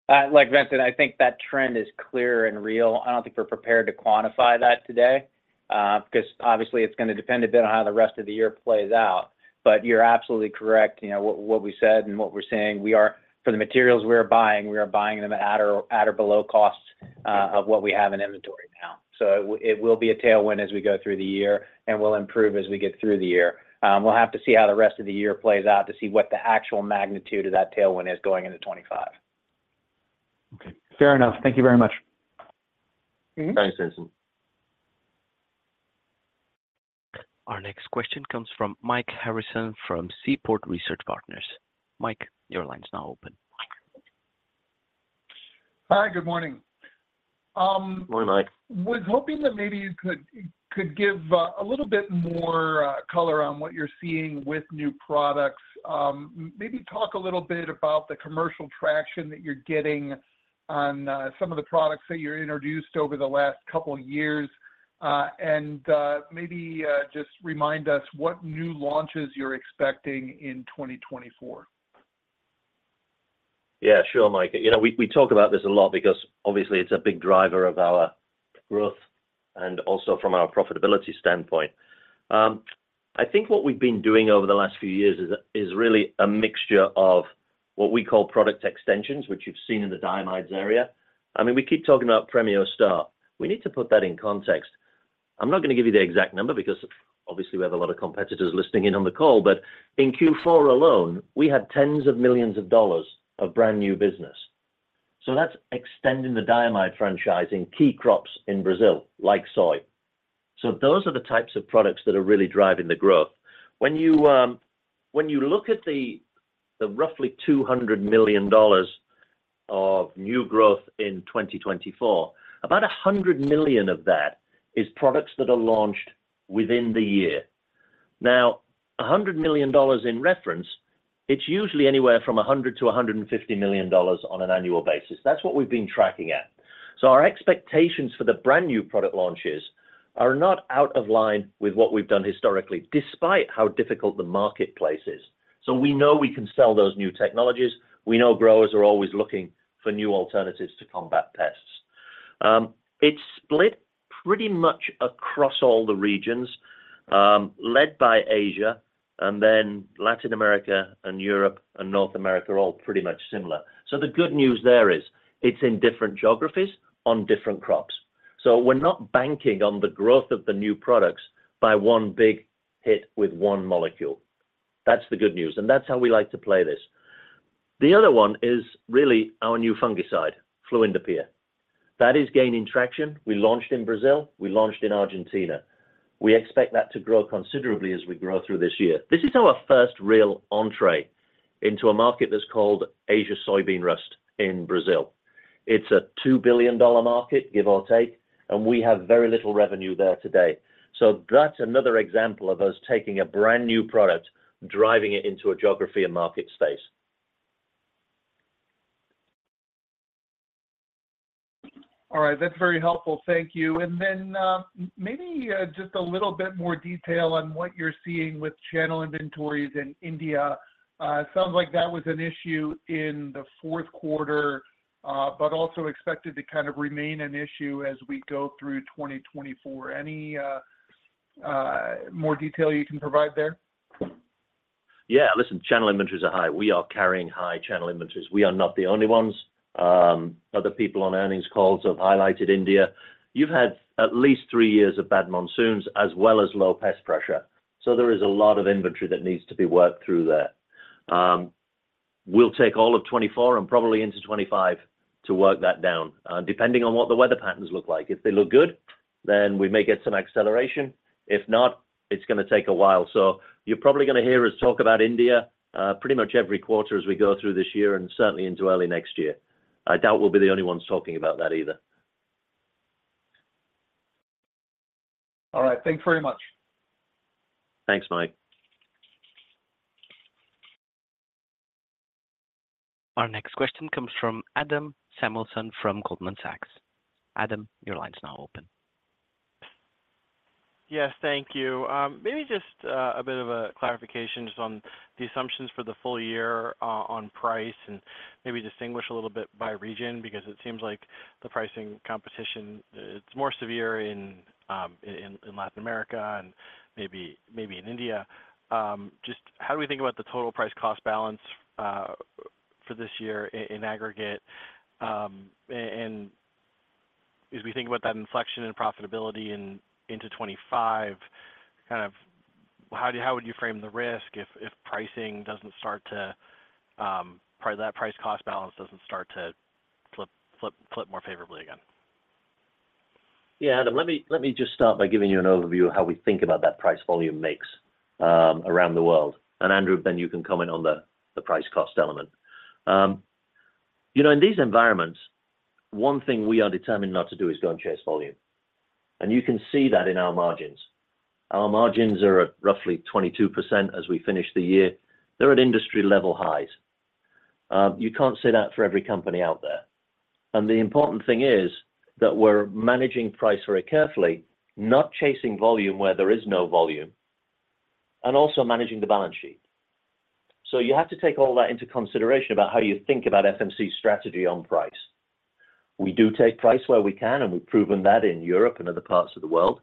Like Vincent, I think that trend is clear and real. I don't think we're prepared to quantify that today, 'cause obviously, it's gonna depend a bit on how the rest of the year plays out. But you're absolutely correct. You know, what, what we said and what we're saying, we are, for the materials we are buying, we are buying them at or, at or below cost of what we have in inventory now. So it will be a tailwind as we go through the year, and we'll improve as we get through the year. We'll have to see how the rest of the year plays out to see what the actual magnitude of that tailwind is going into 2025. Okay, fair enough. Thank you very much. Mm-hmm. Thanks, Vincent. Our next question comes from Mike Harrison from Seaport Research Partners. Mike, your line's now open. Hi, good morning. Good morning, Mike. Was hoping that maybe you could give a little bit more color on what you're seeing with new products. Maybe talk a little bit about the commercial traction that you're getting on some of the products that you introduced over the last couple of years. And maybe just remind us what new launches you're expecting in 2024. Yeah, sure, Mike. You know, we talk about this a lot because obviously it's a big driver of our growth and also from our profitability standpoint. I think what we've been doing over the last few years is really a mixture of what we call product extensions, which you've seen in the diamides area. I mean, we keep talking about Premio Star. We need to put that in context. I'm not gonna give you the exact number because obviously we have a lot of competitors listening in on the call, but in Q4 alone, we had $ tens of millions of brand-new business. So that's extending the diamide franchise in key crops in Brazil, like soy. So those are the types of products that are really driving the growth. When you look at the roughly $200 million of new growth in 2024, about $100 million of that is products that are launched within the year. Now, $100 million in reference, it's usually anywhere from $100-$150 million on an annual basis. That's what we've been tracking at. So our expectations for the brand-new product launches are not out of line with what we've done historically, despite how difficult the marketplace is. So we know we can sell those new technologies. We know growers are always looking for new alternatives to combat pests. It's split pretty much across all the regions, led by Asia, and then Latin America, and Europe, and North America are all pretty much similar. So the good news there is, it's in different geographies on different crops. So we're not banking on the growth of the new products by one big hit with one molecule. That's the good news, and that's how we like to play this. The other one is really our new fungicide, fluindapyr. That is gaining traction. We launched in Brazil, we launched in Argentina. We expect that to grow considerably as we grow through this year. This is our first real entrée into a market that's called Asian Soybean Rust in Brazil. It's a $2 billion market, give or take, and we have very little revenue there today. So that's another example of us taking a brand-new product, driving it into a geography and market space. All right, that's very helpful. Thank you. And then, maybe, just a little bit more detail on what you're seeing with channel inventories in India. It sounds like that was an issue in the fourth quarter, but also expected to kind of remain an issue as we go through 2024. Any more detail you can provide there? Yeah, listen, channel inventories are high. We are carrying high channel inventories. We are not the only ones. Other people on earnings calls have highlighted India. You've had at least three years of bad monsoons as well as low pest pressure, so there is a lot of inventory that needs to be worked through there. We'll take all of 2024 and probably into 2025 to work that down, depending on what the weather patterns look like. If they look good, then we may get some acceleration. If not, it's gonna take a while. So you're probably gonna hear us talk about India, pretty much every quarter as we go through this year and certainly into early next year. I doubt we'll be the only ones talking about that either. All right. Thank you very much. Thanks, Mike. Our next question comes from Adam Samuelson from Goldman Sachs. Adam, your line is now open. Yes, thank you. Maybe just a bit of a clarification just on the assumptions for the full year on price, and maybe distinguish a little bit by region, because it seems like the pricing competition, it's more severe in Latin America and maybe in India. Just how do we think about the total price cost balance for this year in aggregate? And as we think about that inflection in profitability into 2025, kind of how do you, how would you frame the risk if pricing doesn't start to, part of that price cost balance doesn't start to flip more favorably again? Yeah, Adam, let me, let me just start by giving you an overview of how we think about that price volume mix, around the world, and Andrew, then you can comment on the, the price cost element. You know, in these environments, one thing we are determined not to do is go and chase volume, and you can see that in our margins. Our margins are at roughly 22% as we finish the year. They're at industry level highs. You can't say that for every company out there. And the important thing is that we're managing price very carefully, not chasing volume where there is no volume, and also managing the balance sheet. So you have to take all that into consideration about how you think about FMC's strategy on price. We do take price where we can, and we've proven that in Europe and other parts of the world.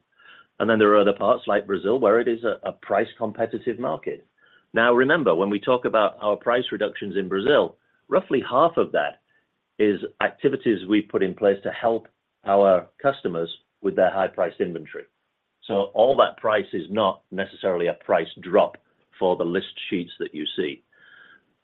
And then there are other parts like Brazil, where it is a, a price competitive market. Now, remember, when we talk about our price reductions in Brazil, roughly half of that is activities we've put in place to help our customers with their high-price inventory. So all that price is not necessarily a price drop for the list sheets that you see.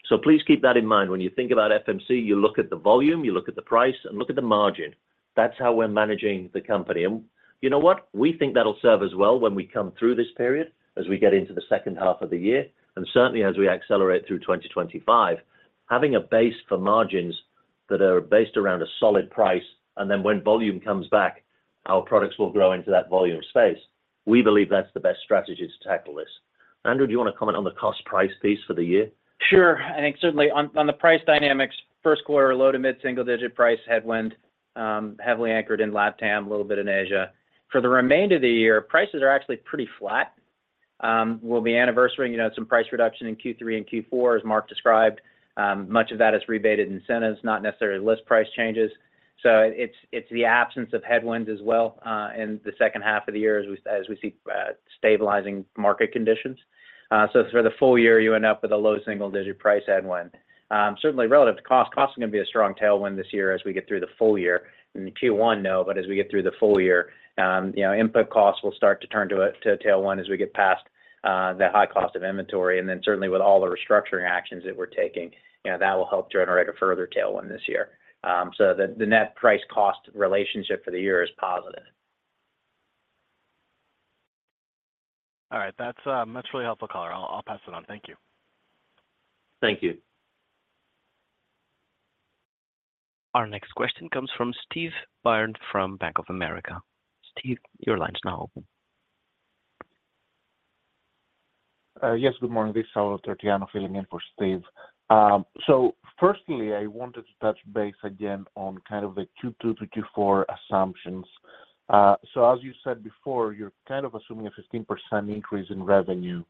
So please keep that in mind. When you think about FMC, you look at the volume, you look at the price, and look at the margin. That's how we're managing the company. And you know what? We think that'll serve us well when we come through this period, as we get into the second half of the year, and certainly as we accelerate through 2025, having a base for margins that are based around a solid price, and then when volume comes back, our products will grow into that volume space. We believe that's the best strategy to tackle this. Andrew, do you want to comment on the cost-price piece for the year? Sure. I think certainly on, on the price dynamics, first quarter, low to mid-single digit price headwind, heavily anchored in LATAM, a little bit in Asia. For the remainder of the year, prices are actually pretty flat. We'll be anniversarying, you know, some price reduction in Q3 and Q4, as Mark described. Much of that is rebated incentives, not necessarily list price changes. So it's, it's the absence of headwinds as well in the second half of the year, as we, as we see stabilizing market conditions. So for the full year, you end up with a low single-digit price headwind. Certainly relative to cost, cost is gonna be a strong tailwind this year as we get through the full year. In the Q1, no, but as we get through the full year, you know, input costs will start to turn to a tailwind as we get past that high cost of inventory. And then certainly with all the restructuring actions that we're taking, you know, that will help generate a further tailwind this year. So the net price-cost relationship for the year is positive. All right. That's, that's really helpful, caller. I'll, I'll pass it on. Thank you. Thank you. Our next question comes from Steve Byrne from Bank of America. Steve, your line is now open. Yes, good morning. This is Salvatore Tiano filling in for Steve. So firstly, I wanted to touch base again on kind of the Q2 to Q4 assumptions. So as you said before, you're kind of assuming a 15% increase in revenue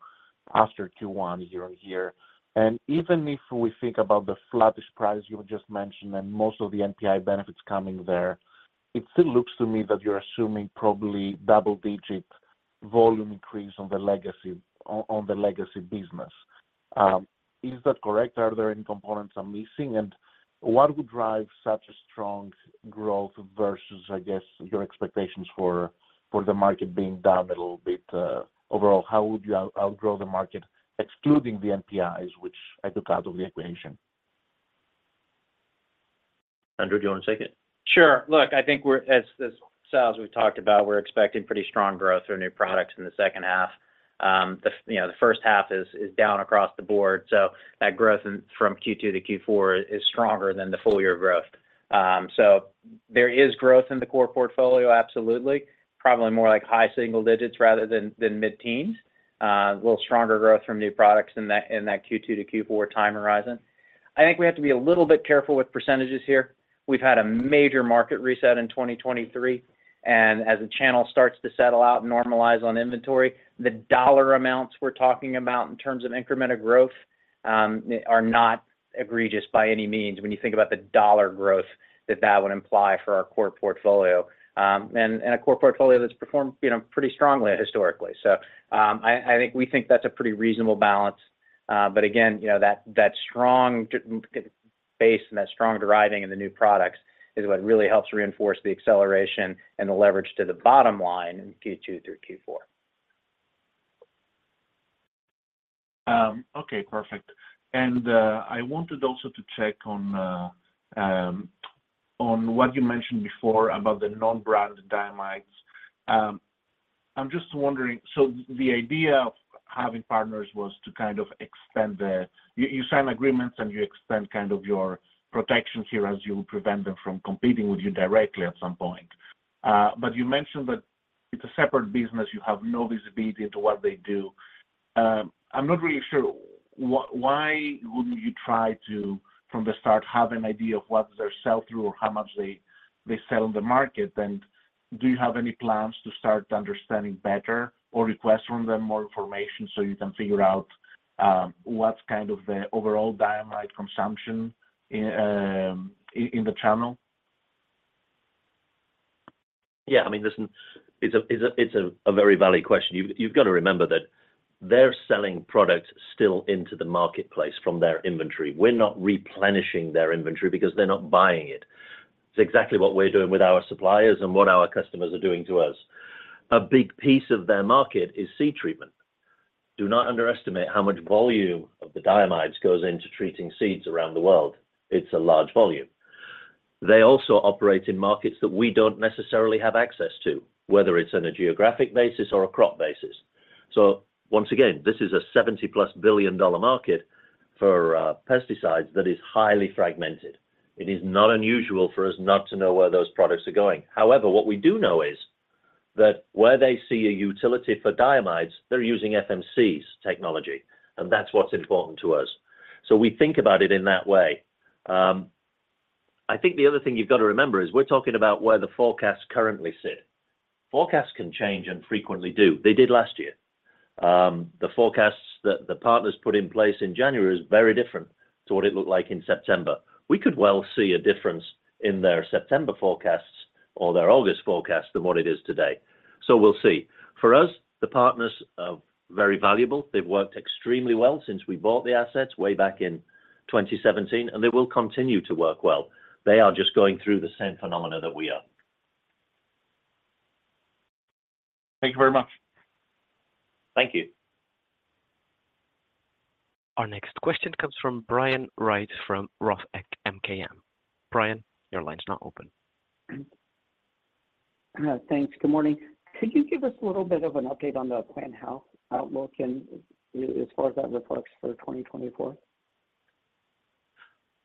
after Q1 year-on-year. And even if we think about the flattish price you have just mentioned and most of the NPI benefits coming there, it still looks to me that you're assuming probably double-digit volume increase on the legacy, on the legacy business. Is that correct? Are there any components I'm missing? And what would drive such a strong growth versus, I guess, your expectations for the market being down a little bit? Overall, how would you outgrow the market, excluding the NPIs, which I took out of the equation? Andrew, do you want to take it? Sure. Look, I think we're as Saul, as we've talked about, we're expecting pretty strong growth through new products in the second half. You know, the first half is down across the board, so that growth from Q2 to Q4 is stronger than the full year growth. So there is growth in the core portfolio, absolutely. Probably more like high single digits rather than mid-teens. A little stronger growth from new products in that Q2 to Q4 time horizon. I think we have to be a little bit careful with percentages here. We've had a major market reset in 2023, and as the channel starts to settle out and normalize on inventory, the dollar amounts we're talking about in terms of incremental growth are not egregious by any means when you think about the dollar growth that that would imply for our core portfolio. And a core portfolio that's performed, you know, pretty strongly historically. So, I think we think that's a pretty reasonable balance. But again, you know, that strong base and that strong driving in the new products is what really helps reinforce the acceleration and the leverage to the bottom line in Q2 through Q4. Okay, perfect. And, I wanted also to check on what you mentioned before about the non-branded diamides. I'm just wondering, so the idea of having partners was to kind of extend the. You sign agreements, and you extend kind of your protections here as you prevent them from competing with you directly at some point. But you mentioned that it's a separate business. You have no visibility into what they do. I'm not really sure, why wouldn't you try to, from the start, have an idea of what's their sell-through or how much they sell on the market? And do you have any plans to start understanding better or request from them more information so you can figure out, what's kind of the overall diamide consumption in the channel? Yeah, I mean, listen, it's a very valid question. You've got to remember that they're selling product still into the marketplace from their inventory. We're not replenishing their inventory because they're not buying it. It's exactly what we're doing with our suppliers and what our customers are doing to us. A big piece of their market is seed treatment. Do not underestimate how much volume of the diamides goes into treating seeds around the world. It's a large volume. They also operate in markets that we don't necessarily have access to, whether it's on a geographic basis or a crop basis. So once again, this is a $70+ billion market for pesticides that is highly fragmented. It is not unusual for us not to know where those products are going. However, what we do know is that where they see a utility for diamides, they're using FMC's technology, and that's what's important to us. So, we think about it in that way. I think the other thing you've got to remember is we're talking about where the forecasts currently sit. Forecasts can change and frequently do. They did last year. The forecasts that the partners put in place in January is very different to what it looked like in September. We could well see a difference in their September forecasts or their August forecast than what it is today. So, we'll see. For us, the partners are very valuable. They've worked extremely well since we bought the assets way back in 2017, and they will continue to work well. They are just going through the same phenomena that we are. Thank you very much. Thank you. Our next question comes from Brian Wright from Roth MKM. Brian, your line is now open. Thanks. Good morning. Could you give us a little bit of an update on the plant health outlook and as far as that reflects for 2024?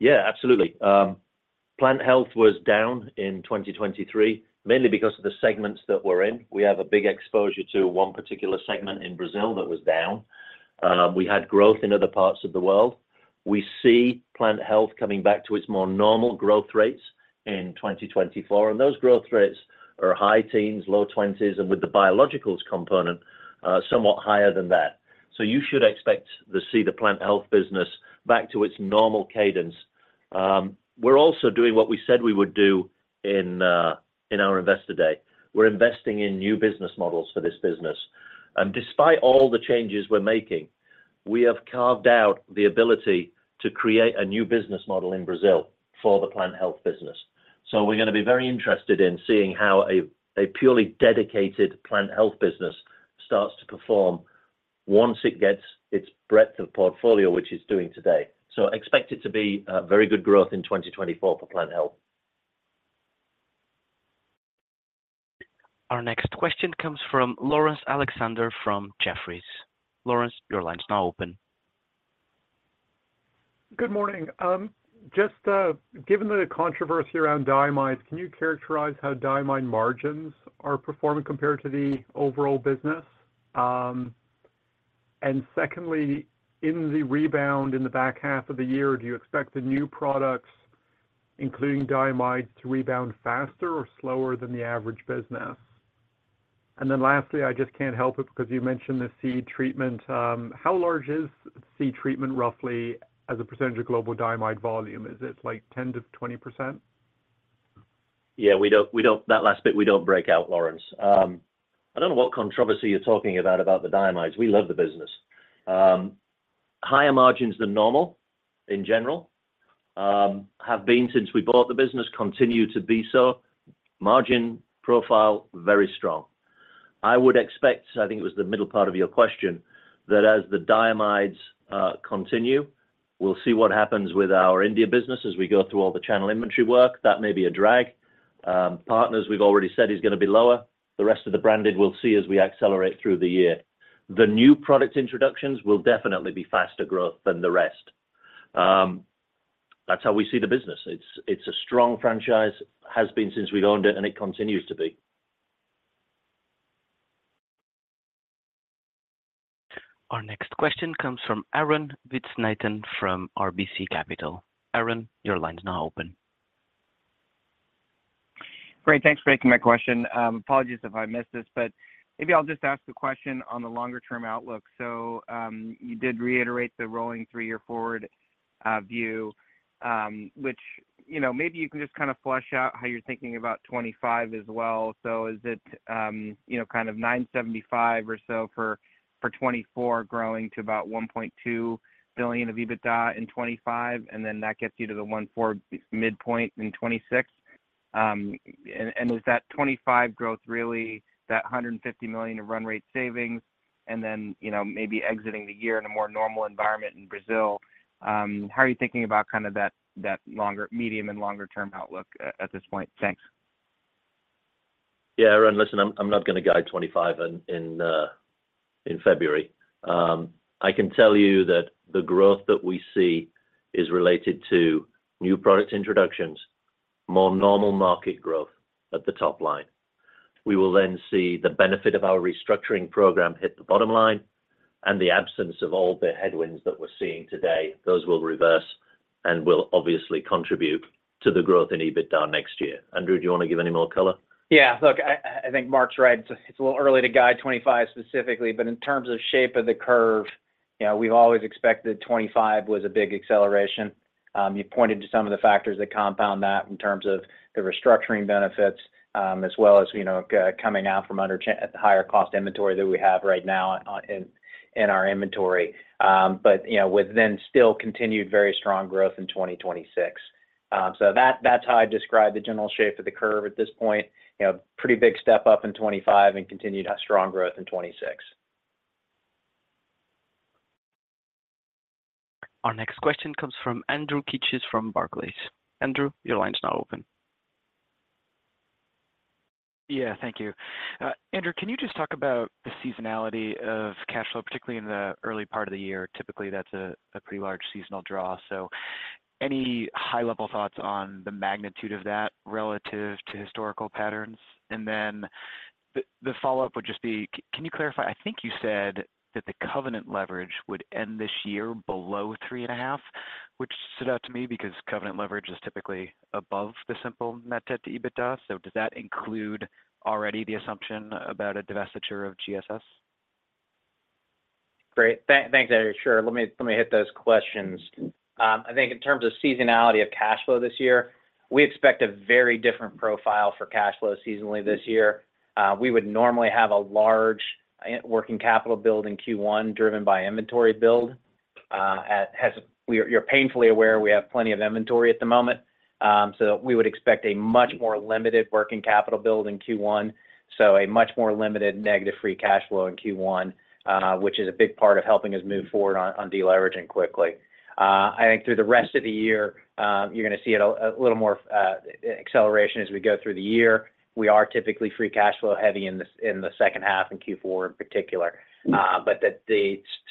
Yeah, absolutely. Plant health was down in 2023, mainly because of the segments that we're in. We have a big exposure to one particular segment in Brazil that was down. We had growth in other parts of the world. We see plant health coming back to its more normal growth rates in 2024, and those growth rates are high teens, low 20s, and with the biologicals component, somewhat higher than that. So you should expect to see the plant health business back to its normal cadence. We're also doing what we said we would do in our Investor Day. We're investing in new business models for this business. And despite all the changes we're making, we have carved out the ability to create a new business model in Brazil for the plant health business. So we're going to be very interested in seeing how a purely dedicated plant health business starts to perform once it gets its breadth of portfolio, which it's doing today. So expect it to be very good growth in 2024 for plant health. Our next question comes from Laurence Alexander from Jefferies. Laurence, your line's now open. Good morning. Just, given the controversy around diamides, can you characterize how diamide margins are performing compared to the overall business? And secondly, in the rebound in the back half of the year, do you expect the new products, including diamides, to rebound faster or slower than the average business? And then lastly, I just can't help it, because you mentioned the seed treatment, how large is seed treatment roughly as a percentage of global diamide volume? Is it, like, 10%-20%? Yeah, we don't break out that last bit, Laurence. I don't know what controversy you're talking about the diamides. We love the business. Higher margins than normal in general have been since we bought the business, continue to be so. Margin profile, very strong. I would expect, I think it was the middle part of your question, that as the diamides continue, we'll see what happens with our India business as we go through all the channel inventory work. That may be a drag. Partners, we've already said, is gonna be lower. The rest of the branded, we'll see as we accelerate through the year. The new product introductions will definitely be faster growth than the rest. That's how we see the business. It's a strong franchise, has been since we've owned it, and it continues to be. Our next question comes from Arun Viswanathan from RBC Capital Markets. Arun, your line's now open. Great. Thanks for taking my question. Apologies if I missed this, but maybe I'll just ask the question on the longer term outlook. So, you did reiterate the rolling three-year forward view, which, you know, maybe you can just kind of flesh out how you're thinking about 2025 as well. So is it, you know, kind of $975 million or so for 2024, growing to about $1.2 billion of EBITDA in 2025, and then that gets you to the $1.4 billion midpoint in 2026? And is that 2025 growth really that $150 million of run rate savings, and then, you know, maybe exiting the year in a more normal environment in Brazil? How are you thinking about kind of that longer medium and longer term outlook at this point? Thanks. Yeah, Arun, listen, I'm not gonna guide 2025 in February. I can tell you that the growth that we see is related to new product introductions, more normal market growth at the top line. We will then see the benefit of our restructuring program hit the bottom line, and the absence of all the headwinds that we're seeing today, those will reverse and will obviously contribute to the growth in EBITDA next year. Andrew, do you wanna give any more color? Yeah. Look, I think Mark's right. It's a little early to guide 2025 specifically, but in terms of shape of the curve, we've always expected 2025 was a big acceleration. You pointed to some of the factors that compound that in terms of the restructuring benefits, as well as, you know, coming out from under the higher cost inventory that we have right now in our inventory. But, you know, with then still continued very strong growth in 2026. So that, that's how I'd describe the general shape of the curve at this point. You know, pretty big step up in 2025 and continued strong growth in 2026. Our next question comes from Andrew Keches from Barclays. Andrew, your line's now open. Yeah, thank you. Andrew, can you just talk about the seasonality of cash flow, particularly in the early part of the year? Typically, that's a pretty large seasonal draw, so any high-level thoughts on the magnitude of that relative to historical patterns? And then the follow-up would just be, can you clarify? I think you said that the covenant leverage would end this year below 3.5, which stood out to me because covenant leverage is typically above the simple net debt to EBITDA. So does that include already the assumption about a divestiture of GSS? Great. Thanks, Andrew. Sure. Let me hit those questions. I think in terms of seasonality of cash flow this year, we expect a very different profile for cash flow seasonally this year. We would normally have a large working capital build in Q1 driven by inventory build. As we. You're painfully aware, we have plenty of inventory at the moment, so we would expect a much more limited working capital build in Q1, so a much more limited negative free cash flow in Q1, which is a big part of helping us move forward on deleveraging quickly. I think through the rest of the year, you're gonna see a little more acceleration as we go through the year. We are typically free cash flow heavy in the second half and Q4 in particular. But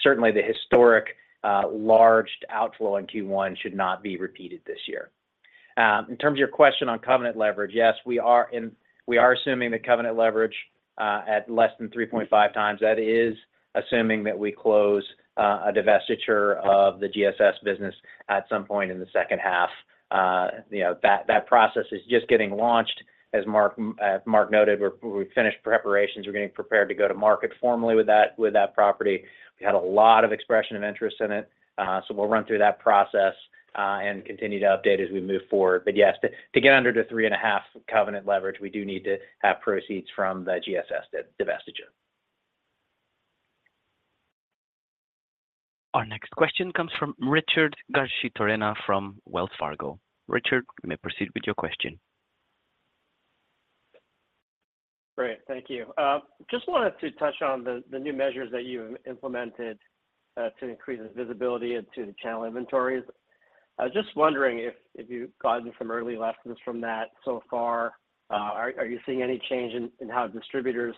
certainly the historic large outflow in Q1 should not be repeated this year. In terms of your question on covenant leverage, yes, we are assuming the covenant leverage at less than 3.5 times. That is assuming that we close a divestiture of the GSS business at some point in the second half. You know, that process is just getting launched. As Mark noted, we've finished preparations. We're getting prepared to go to market formally with that property. We had a lot of expression of interest in it, so we'll run through that process and continue to update as we move forward. But yes, to get under the 3.5 covenant leverage, we do need to have proceeds from the GSS divestiture. Our next question comes from Richard Garchitorena from Wells Fargo. Richard, you may proceed with your question. Great. Thank you. Just wanted to touch on the new measures that you've implemented to increase the visibility into the channel inventories. I was just wondering if you've gotten some early lessons from that so far. Are you seeing any change in how distributors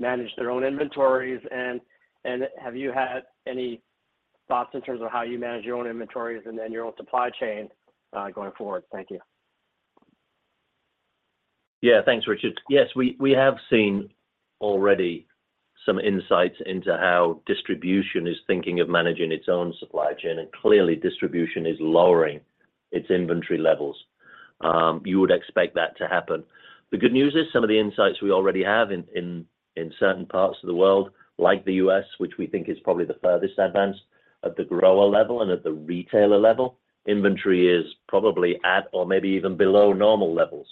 manage their own inventories? And have you had any thoughts in terms of how you manage your own inventories and then your own supply chain going forward? Thank you. Yeah, thanks, Richard. Yes, we have seen already some insights into how distribution is thinking of managing its own supply chain, and clearly, distribution is lowering its inventory levels. You would expect that to happen. The good news is some of the insights we already have in certain parts of the world, like the U.S., which we think is probably the furthest advanced at the grower level and at the retailer level, inventory is probably at or maybe even below normal levels.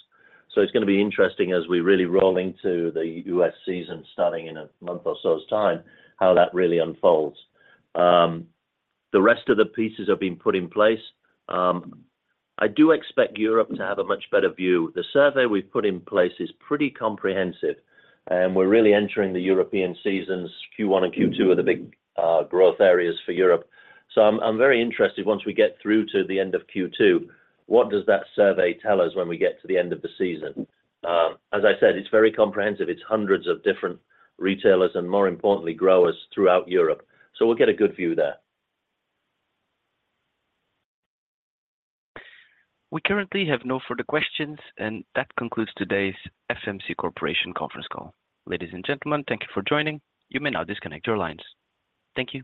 So it's gonna be interesting as we really roll into the U.S. season, starting in a month or so's time, how that really unfolds. The rest of the pieces have been put in place. I do expect Europe to have a much better view. The survey we've put in place is pretty comprehensive, and we're really entering the European seasons. Q1 and Q2 are the big growth areas for Europe. So I'm, I'm very interested, once we get through to the end of Q2, what does that survey tell us when we get to the end of the season? As I said, it's very comprehensive. It's hundreds of different retailers and, more importantly, growers throughout Europe, so we'll get a good view there. We currently have no further questions, and that concludes today's FMC Corporation conference call. Ladies and gentlemen, thank you for joining. You may now disconnect your lines. Thank you.